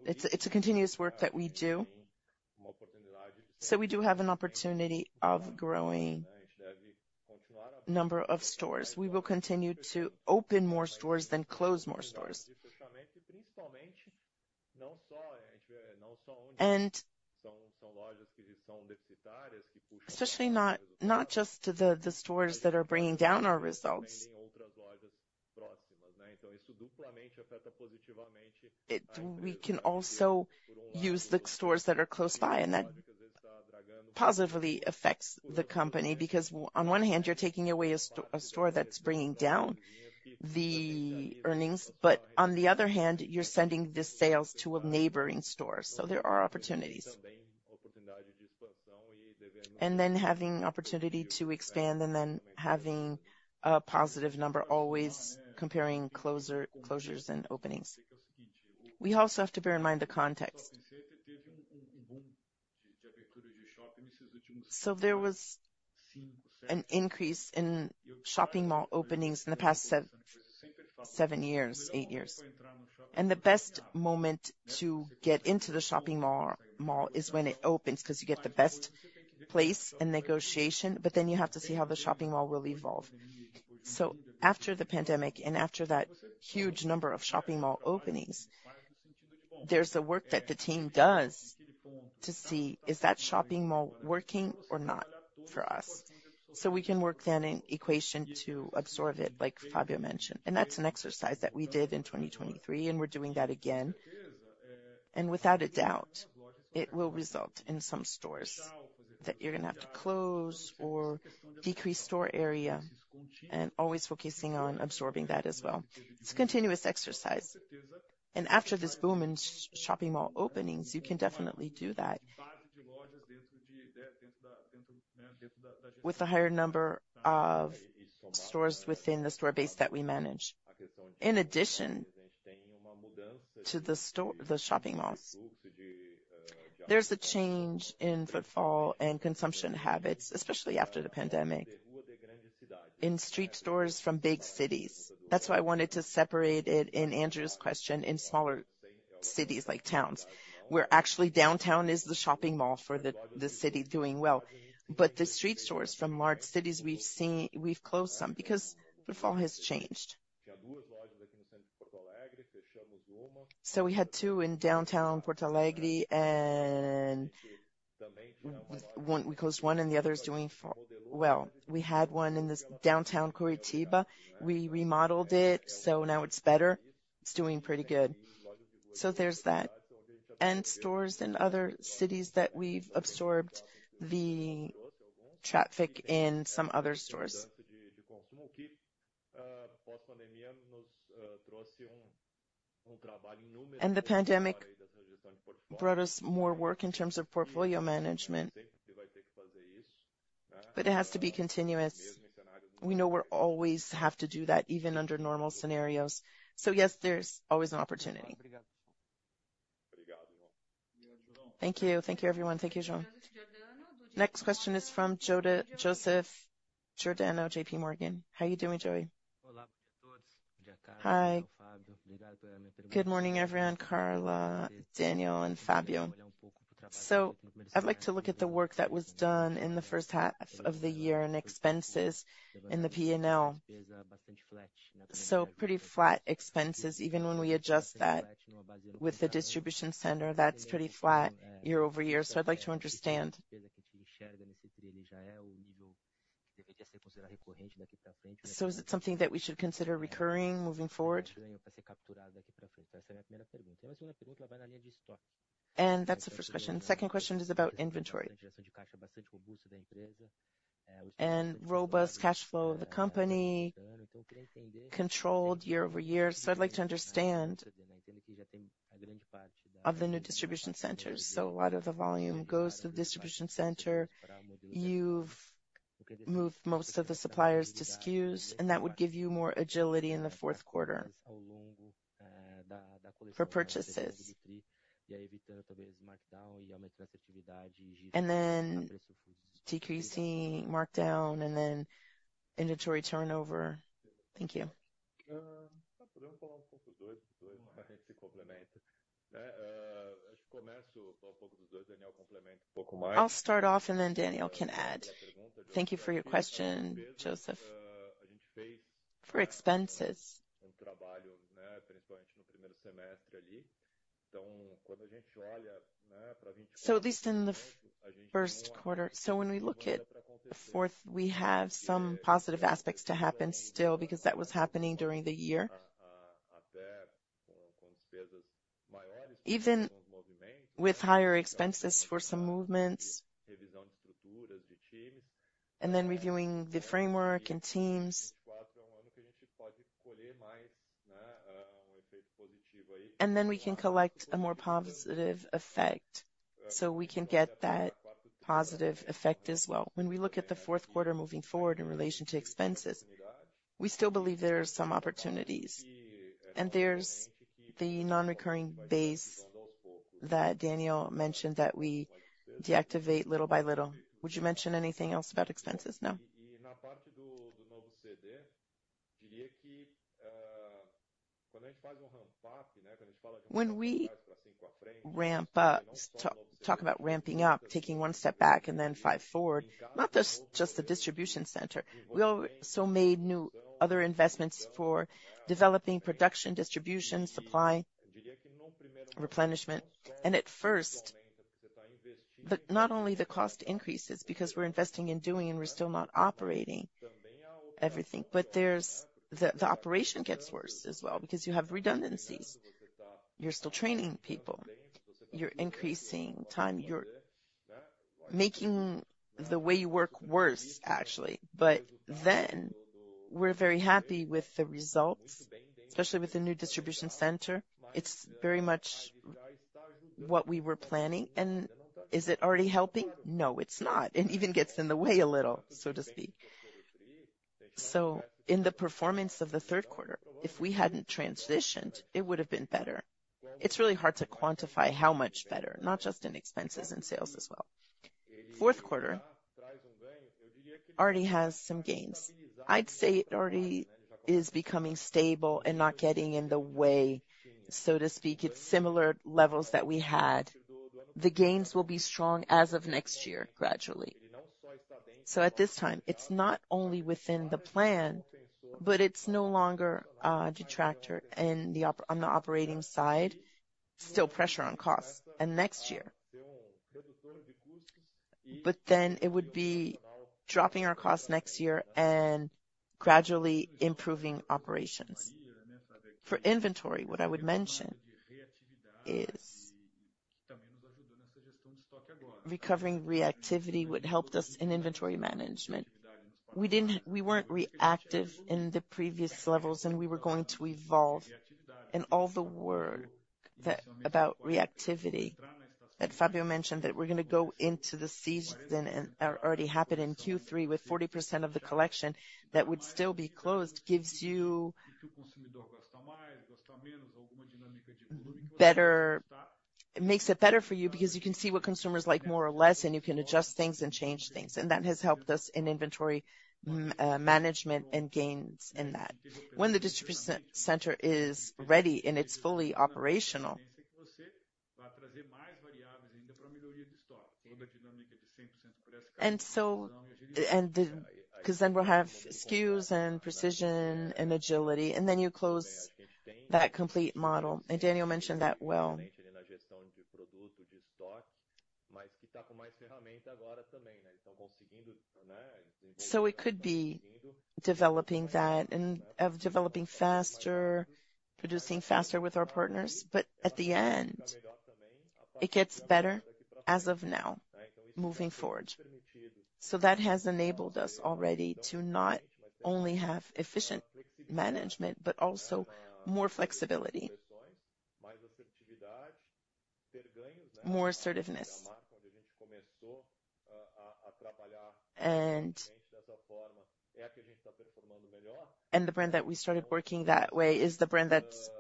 it's a continuous work that we do. We do have an opportunity of growing number of stores. We will continue to open more stores than close more stores. Especially not just the stores that are bringing down our results. We can also use the stores that are close by, and that positively affects the company, because on one hand, you're taking away a store that's bringing down the earnings, but on the other hand, you're sending the sales to a neighboring store. There are opportunities. Then having opportunity to expand and then having a positive number, always comparing closures and openings. We also have to bear in mind the context. There was an increase in shopping mall openings in the past seven years, eight years, and the best moment to get into the shopping mall is when it opens, because you get the best place and negotiation, but then you have to see how the shopping mall will evolve. After the pandemic, and after that huge number of shopping mall openings, there's the work that the team does to see, is that shopping mall working or not for us? We can work then an equation to absorb it, like Fabio mentioned, and that's an exercise that we did in 2023, and we're doing that again, and without a doubt, it will result in some stores that you're going to have to close or decrease store area and always focusing on absorbing that as well. It's a continuous exercise, and after this boom in shopping mall openings, you can definitely do that with a higher number of stores within the store base that we manage. In addition to the shopping malls, there's a change in footfall and consumption habits, especially after the pandemic in street stores from big cities. That's why I wanted to separate it in Andrew's question, in smaller cities like towns, where actually downtown is the shopping mall for the, the city doing well, but the street stores from large cities we've seen, we've closed some because footfall has changed. We had two in downtown Porto Alegre, and we closed one, and the other is doing far well. We had one in downtown Curitiba. We remodeled it, so now it's better. It's doing pretty good. There's that, and stores in other cities that we've absorbed the traffic in some other stores. The pandemic brought us more work in terms of portfolio management, but it has to be continuous. We know we're always have to do that, even under normal scenarios. Yes, there's always an opportunity. Thank you. Thank you, everyone. Thank you, John. Next question is from Joseph Giordano, JP Morgan. How are you doing, Joey? Hi. Good morning, everyone, Carla, Daniel, and Fabio. I'd like to look at the work that was done in the first half of the year and expenses in the P&L. Pretty flat expenses, even when we adjust that with the distribution center, that's pretty flat year-over-year. I'd like to understand is it something that we should consider recurring moving forward? That's the first question. Second question is about inventory and robust cash flow of the company, controlled year-over-year. I'd like to understand of the new distribution centers. A lot of the volume goes to the distribution center. You've moved most of the suppliers to SKUs, and that would give you more agility in the Q4 for purchases. Then decreasing markdown, and then inventory turnover. Thank you. I'll start off, and then Daniel can add. Thank you for your question, Joseph. For expenses, at least in the Q1, when we look at the fourth, we have some positive aspects to happen still, because that was happening during the year. Even with higher expenses for some movements, and then reviewing the framework and teams and then we can collect a more positive effect, so we can get that positive effect as well. When we look at the Q4 moving forward in relation to expenses, we still believe there are some opportunities, and there's the non-recurring base that Daniel mentioned that we deactivate little by little. Would you mention anything else about expenses? No. When we ramp up, talk about ramping up, taking one step back and then five forward, not just the distribution center. We also made new other investments for developing production, distribution, supply, and replenishment. At first, not only the cost increases because we're investing in doing and we're still not operating everything, but the operation gets worse as well because you have redundancies. You're still training people, you're increasing time, you're making the way you work worse, actually, but then we're very happy with the results, especially with the new distribution center. It's very much what we were planning. Is it already helping? No, it's not. It even gets in the way a little, so to speak. In the performance of Q3, if we hadn't transitioned, it would have been better. It's really hard to quantify how much better, not just in expenses and sales as well. Q4 already has some gains. I'd say it already is becoming stable and not getting in the way, so to speak. It's similar levels that we had. The gains will be strong as of next year, gradually. At this time, it's not only within the plan, but it's no longer a detractor in the operating side, still pressure on costs and next year but then it would be dropping our costs next year and gradually improving operations. For inventory, what I would mention is recovering reactivity would help us in inventory management. We weren't reactive in the previous levels, and we were going to evolve. All the work about reactivity that Fabio mentioned, that we're going to go into the season and already happened in Q3 with 40% of the collection that would still be closed, it makes it better for you because you can see what consumers like more or less, and you can adjust things and change things. That has helped us in inventory management and gains in that when the distribution center is ready and it's fully operational because then we'll have SKUs and precision and agility, and then you close that complete model, and Daniel mentioned that well. We could be developing that and of developing faster, producing faster with our partners, but at the end, it gets better as of now. Moving forward, that has enabled us already to not only have efficient management, but also more flexibility, more assertiveness. The brand that we started working that way is the brand that's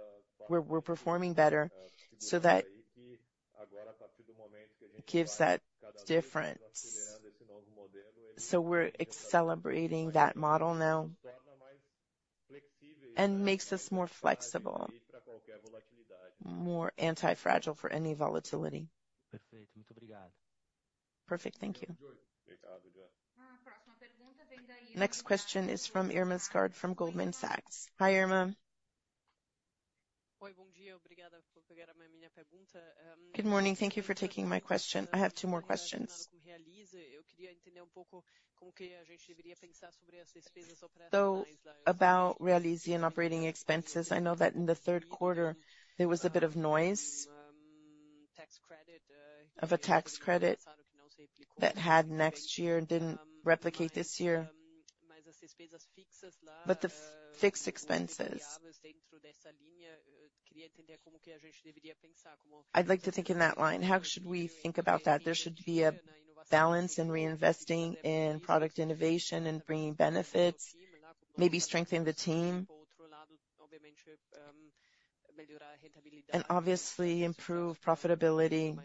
we're performing better. That gives that difference. We're accelerating that model now, and makes us more flexible, more anti-fragile for any volatility. Perfect. Thank you. Next question is from Irma from Goldman Sachs. Hi, Irma. Good morning. Thank you for taking my question. I have two more questions, though, about Realize and operating expenses. I know that in Q3, there was a bit of noise of a tax credit that had next year and didn't replicate this year, but the fixed expenses. I'd like to think in that line, how should we think about that? There should be a balance in reinvesting in product innovation and bringing benefits, maybe strengthening the team. Obviously improve profitability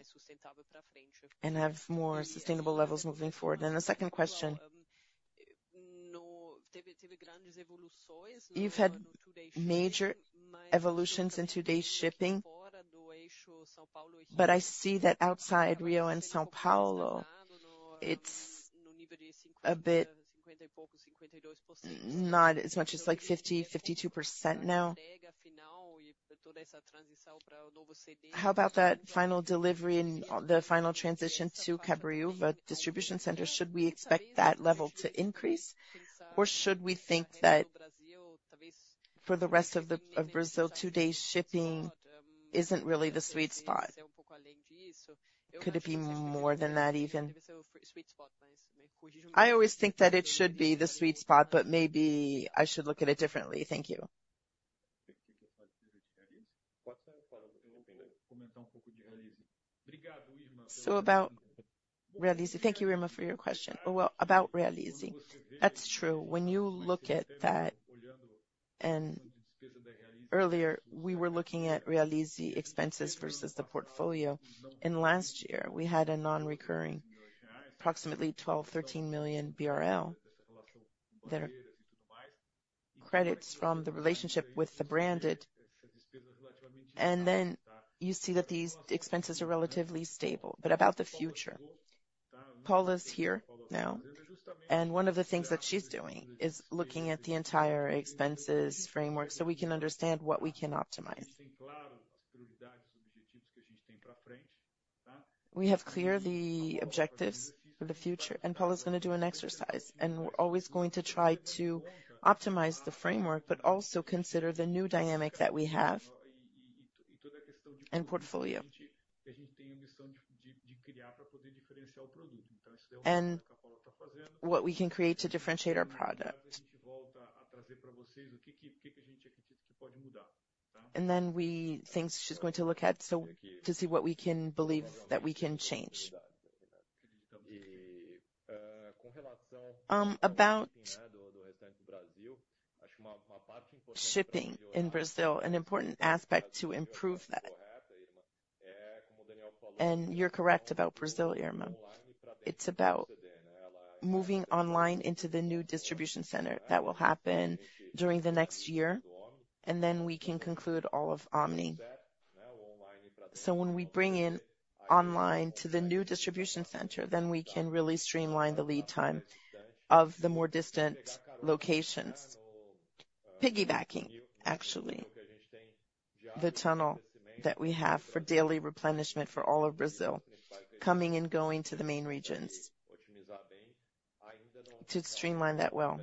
and have more sustainable levels moving forward. The second question. You've had major evolutions in today's shipping, but I see that outside Rio and São Paulo, it's a bit not as much as, like 50%-52% now. How about that final delivery and the final transition to Cabreúva distribution center, should we expect that level to increase or should we think that for the rest of Brazil two days shipping isn't really the sweet spot? Could it be more than that, even? I always think that it should be the sweet spot, but maybe I should look at it differently. Thank you. Thank you, Irma, for your question. Well, about Realize. That's true. When you look at that, and earlier, we were looking at Realize expenses versus the portfolio. In last year, we had a non-recurring, approximately BRL 12-13 million, that are credits from the relationship with the branded and then you see that these expenses are relatively stable, but about the future, Paula is here now, and one of the things that she's doing is looking at the entire expenses framework so we can understand what we can optimize. We have clear the objectives for the future, and Paula is going to do an exercise, and we're always going to try to optimize the framework, but also consider the new dynamic that we have in portfolio. What we can create to differentiate our product. Then things she's going to look at, so to see what we can believe that we can change. About shipping in Brazil, an important aspect to improve that. You're correct about Brazil, Irma. It's about moving online into the new distribution center. That will happen during the next year, and then we can conclude all of Omni. When we bring in online to the new distribution center, then we can really streamline the lead time of the more distant locations. Piggybacking, actually, the tunnel that we have for daily replenishment for all of Brazil, coming and going to the main regions. To streamline that well.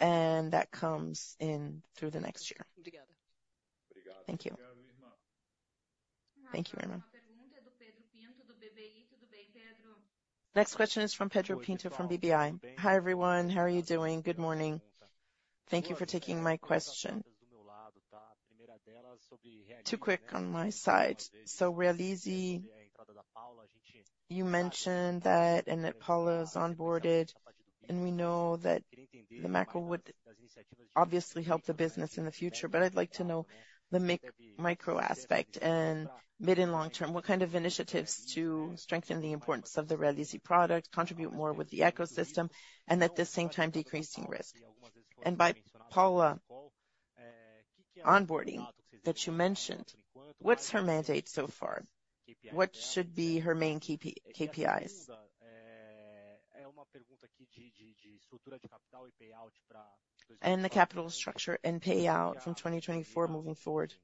That comes in through the next year. Thank you. Thank you, Irma. Next question is from Pedro Pinto, from BBI. Hi, everyone. How are you doing? Good morning. Thank you for taking my question. Too quick on my side. Realize, you mentioned that, and that Paula is onboarded, and we know that the macro would obviously help the business in the future, but I'd like to know the micro aspect and mid and long-term, what kind of initiatives to strengthen the importance of the Realize product, contribute more with the ecosystem, and at the same time, decreasing risk? And by Paula onboarding that you mentioned, what's her mandate so far? What should be her main KPIs? The capital structure and payout from 2024 moving forward.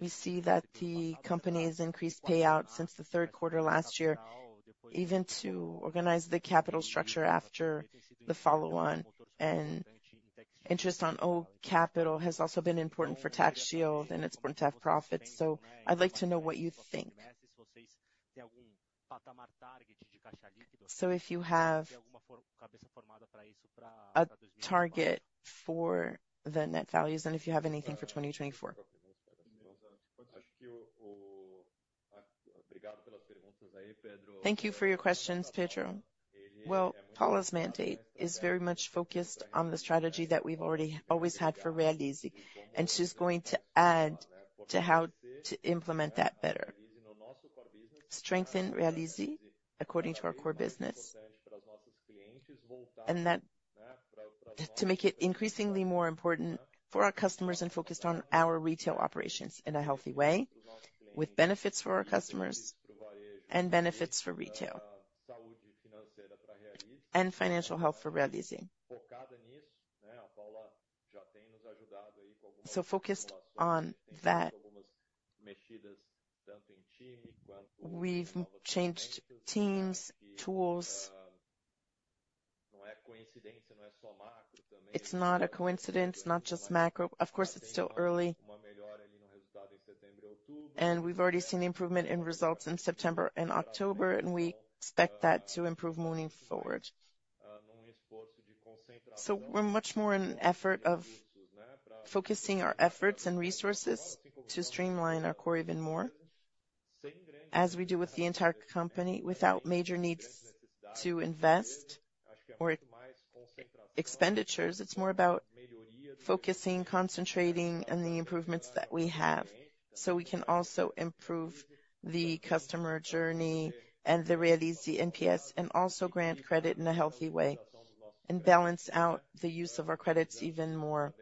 We see that the company's increased payout since Q3 last year, even to organize the capital structure after the follow-on and interest on old capital has also been important for tax shield, and it's important to have profits. I'd like to know what you think. If you have a target for the net values, and if you have anything for 2024? Thank you for your questions, Pedro. Well, Paula's mandate is very much focused on the strategy that we've already, always had for Realize, and she's going to add to how to implement that better. Strengthen Realize according to our core business, and that to make it increasingly more important for our customers and focused on our retail operations in a healthy way, with benefits for our customers and benefits for retail, and financial health for Realize. Focused on that, we've changed teams, tools. It's not a coincidence, it's not just macro. Of course, it's still early, and we've already seen improvement in results in September and October, and we expect that to improve moving forward. We're much more in effort of focusing our efforts and resources to streamline our core even more, as we do with the entire company, without major needs to invest or expenditures. It's more about focusing, concentrating, and the improvements that we have, so we can also improve the customer journey and the Realize NPS, and also grant credit in a healthy way, and balance out the use of our credits even more.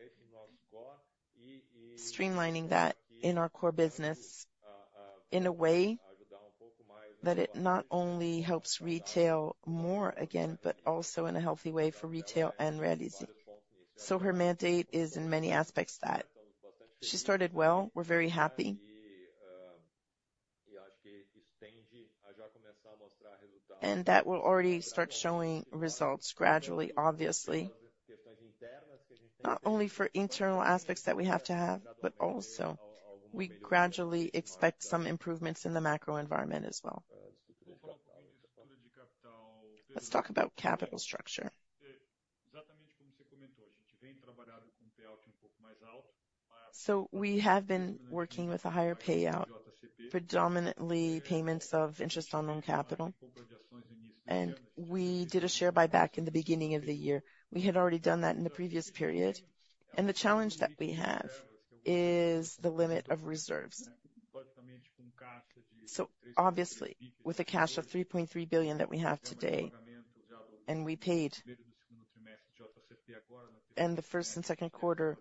Streamlining that in our core business, in a way that it not only helps retail more again, but also in a healthy way for retail and Realize. Her mandate is in many aspects that. She started well, we're very happy and that will already start showing results gradually, obviously. Not only for internal aspects that we have to have, but also we gradually expect some improvements in the macro environment as well. Let's talk about capital structure. We have been working with a higher payout, predominantly payments of interest on non-capital, and we did a share buyback in the beginning of the year. We had already done that in the previous period, and the challenge that we have is the limit of reserves. Obviously, with a cash of 3.3 billion that we have today, and we paid in the first and Q2,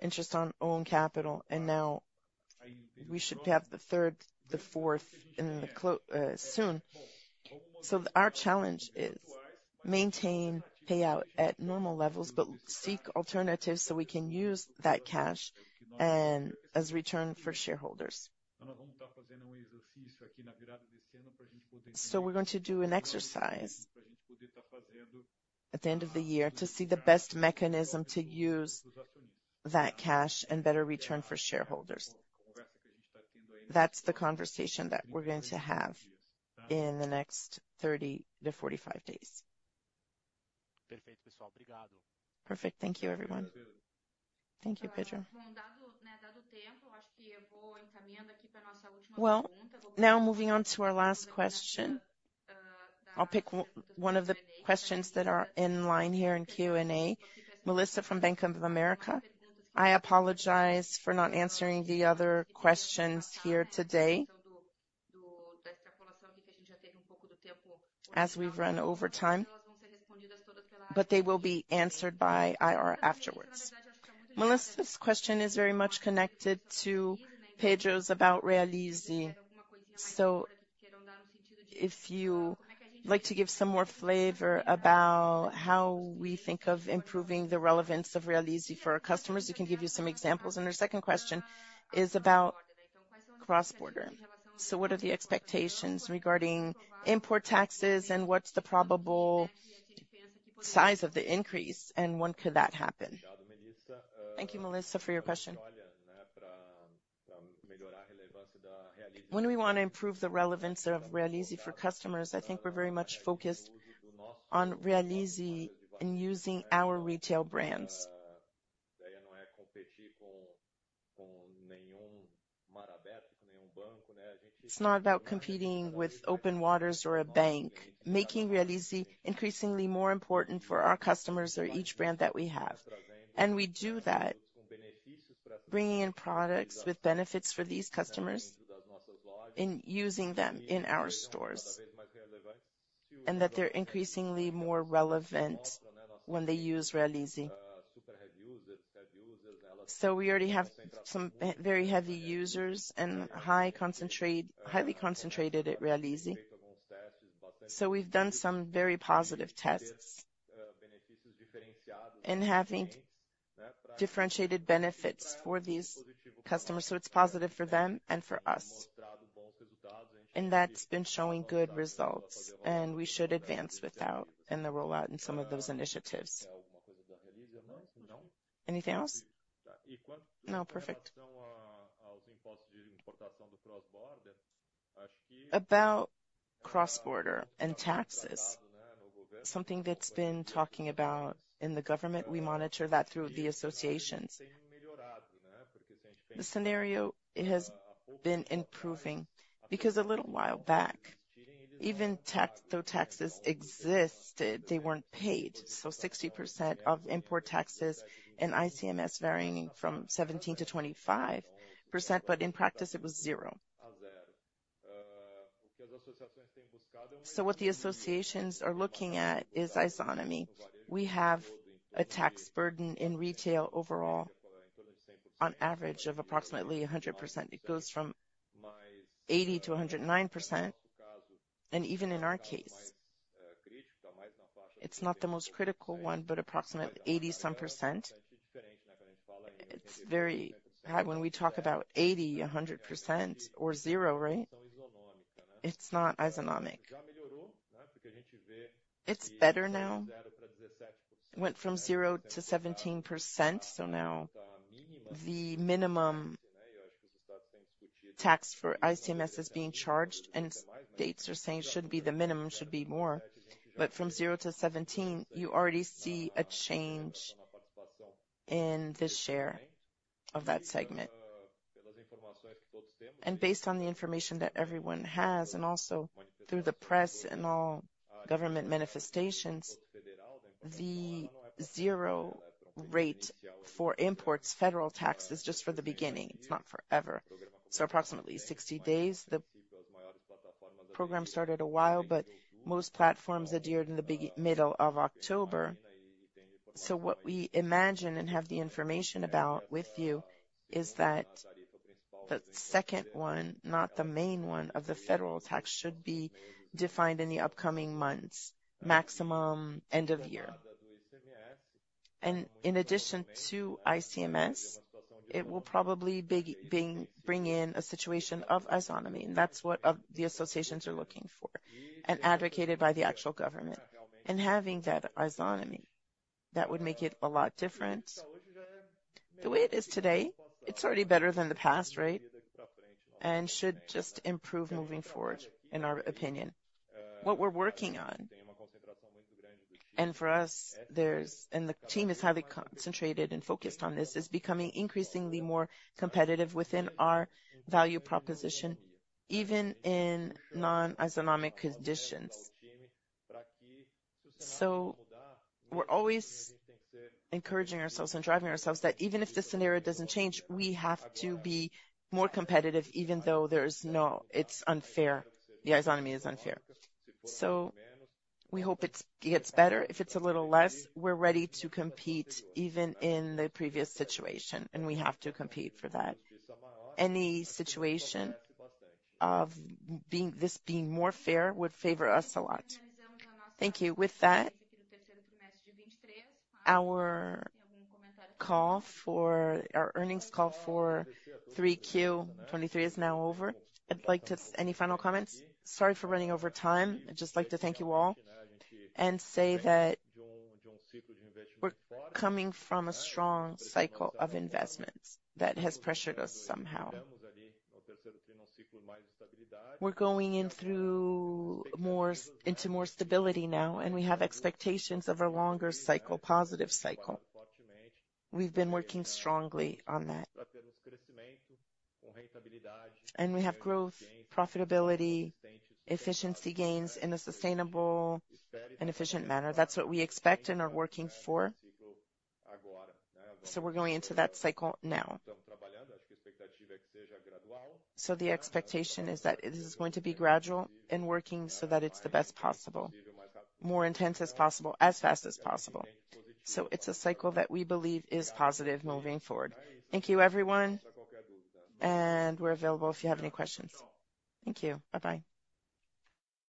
interest on own capital, and now we should have the third and the fourth soon. Our challenge is maintain payout at normal levels, but seek alternatives so we can use that cash and as return for shareholders. We're going to do an exercise at the end of the year to see the best mechanism to use that cash and better return for shareholders. That's the conversation that we're going to have in the next 30-45 days. Perfect. Thank you, everyone. Thank you, Pedro. Well, now moving on to our last question. I'll pick one of the questions that are in line here in Q&A. Melissa from Bank of America. I apologize for not answering the other questions here today, as we've run over time, but they will be answered by IR afterwards. Melissa's question is very much connected to Pedro's about Realize. If you like to give some more flavor about how we think of improving the relevance of Realize for our customers, we can give you some examples. Her second question is about cross-border. What are the expectations regarding import taxes, and what's the probable size of the increase, and when could that happen? Thank you, Melissa, for your question. When we want to improve the relevance of Realize for customers, I think we're very much focused on Realize and using our retail brands. It's not about competing with open waters or a bank, making Realize increasingly more important for our customers or each brand that we have and we do that, bringing in products with benefits for these customers in using them in our stores, and that they're increasingly more relevant when they use Realize. We already have some very heavy users and highly concentrated at Realize. We've done some very positive tests in having differentiated benefits for these customers, so it's positive for them and for us. That's been showing good results, and we should advance with that in the rollout and some of those initiatives. Anything else? No, perfect. About cross-border and taxes, something that's been talking about in the government, we monitor that through the associations. The scenario, it has been improving, because a little while back, even though taxes existed, they weren't paid. 60% of import taxes and ICMS varying from 17%-25%, but in practice, it was zero. What the associations are looking at is isonomy. We have a tax burden in retail overall, on average of approximately 100%. It goes from 80%-109%. Even in our case, it's not the most critical one, but approximately eighty some percent. It's very high. When we talk about 80%, 100% or zero, right? It's not isonomic. It's better now. It went from 0% to 17%, so now the minimum tax for ICMS is being charged, and states are saying it should be the minimum, should be more, but from 0% to 17%, you already see a change in the share of that segment. And based on the information that everyone has, and also through the press and all government manifestations, the zero rate for imports, federal taxes, just for the beginning, it's not forever. Approximately 60 days, the program started a while, but most platforms adhered in the middle of October. What we imagine and have the information about with you is that the second one, not the main one, of the federal tax, should be defined in the upcoming months, maximum end of year. In addition to ICMS, it will probably bring in a situation of isonomy, and that's what the associations are looking for and advocated by the actual government. Having that isonomy, that would make it a lot different. The way it is today, it's already better than the past, right? It should just improve moving forward, in our opinion. What we're working on, and for us, and the team is highly concentrated and focused on this, is becoming increasingly more competitive within our value proposition, even in non-isonomic conditions. We're always encouraging ourselves and driving ourselves that even if this scenario doesn't change, we have to be more competitive, even though there's no, it's unfair, the isonomy is unfair. We hope it gets better. If it's a little less, we're ready to compete even in the previous situation, and we have to compete for that. Any situation of being, this being more fair would favor us a lot. Thank you. With that, our earnings call for Q3 2023 is now over. I'd like to any final comments? Sorry for running over time. I'd just like to thank you all and say that we're coming from a strong cycle of investments that has pressured us somehow. We're going in through more into more stability now, and we have expectations of a longer cycle, positive cycle. We've been working strongly on that and we have growth, profitability, efficiency gains in a sustainable and efficient manner. That's what we expect and are working for. We're going into that cycle now. The expectation is that it is going to be gradual and working so that it's the best possible, more intense as possible, as fast as possible. It's a cycle that we believe is positive moving forward. Thank you, everyone, and we're available if you have any questions. Thank you. Bye-bye.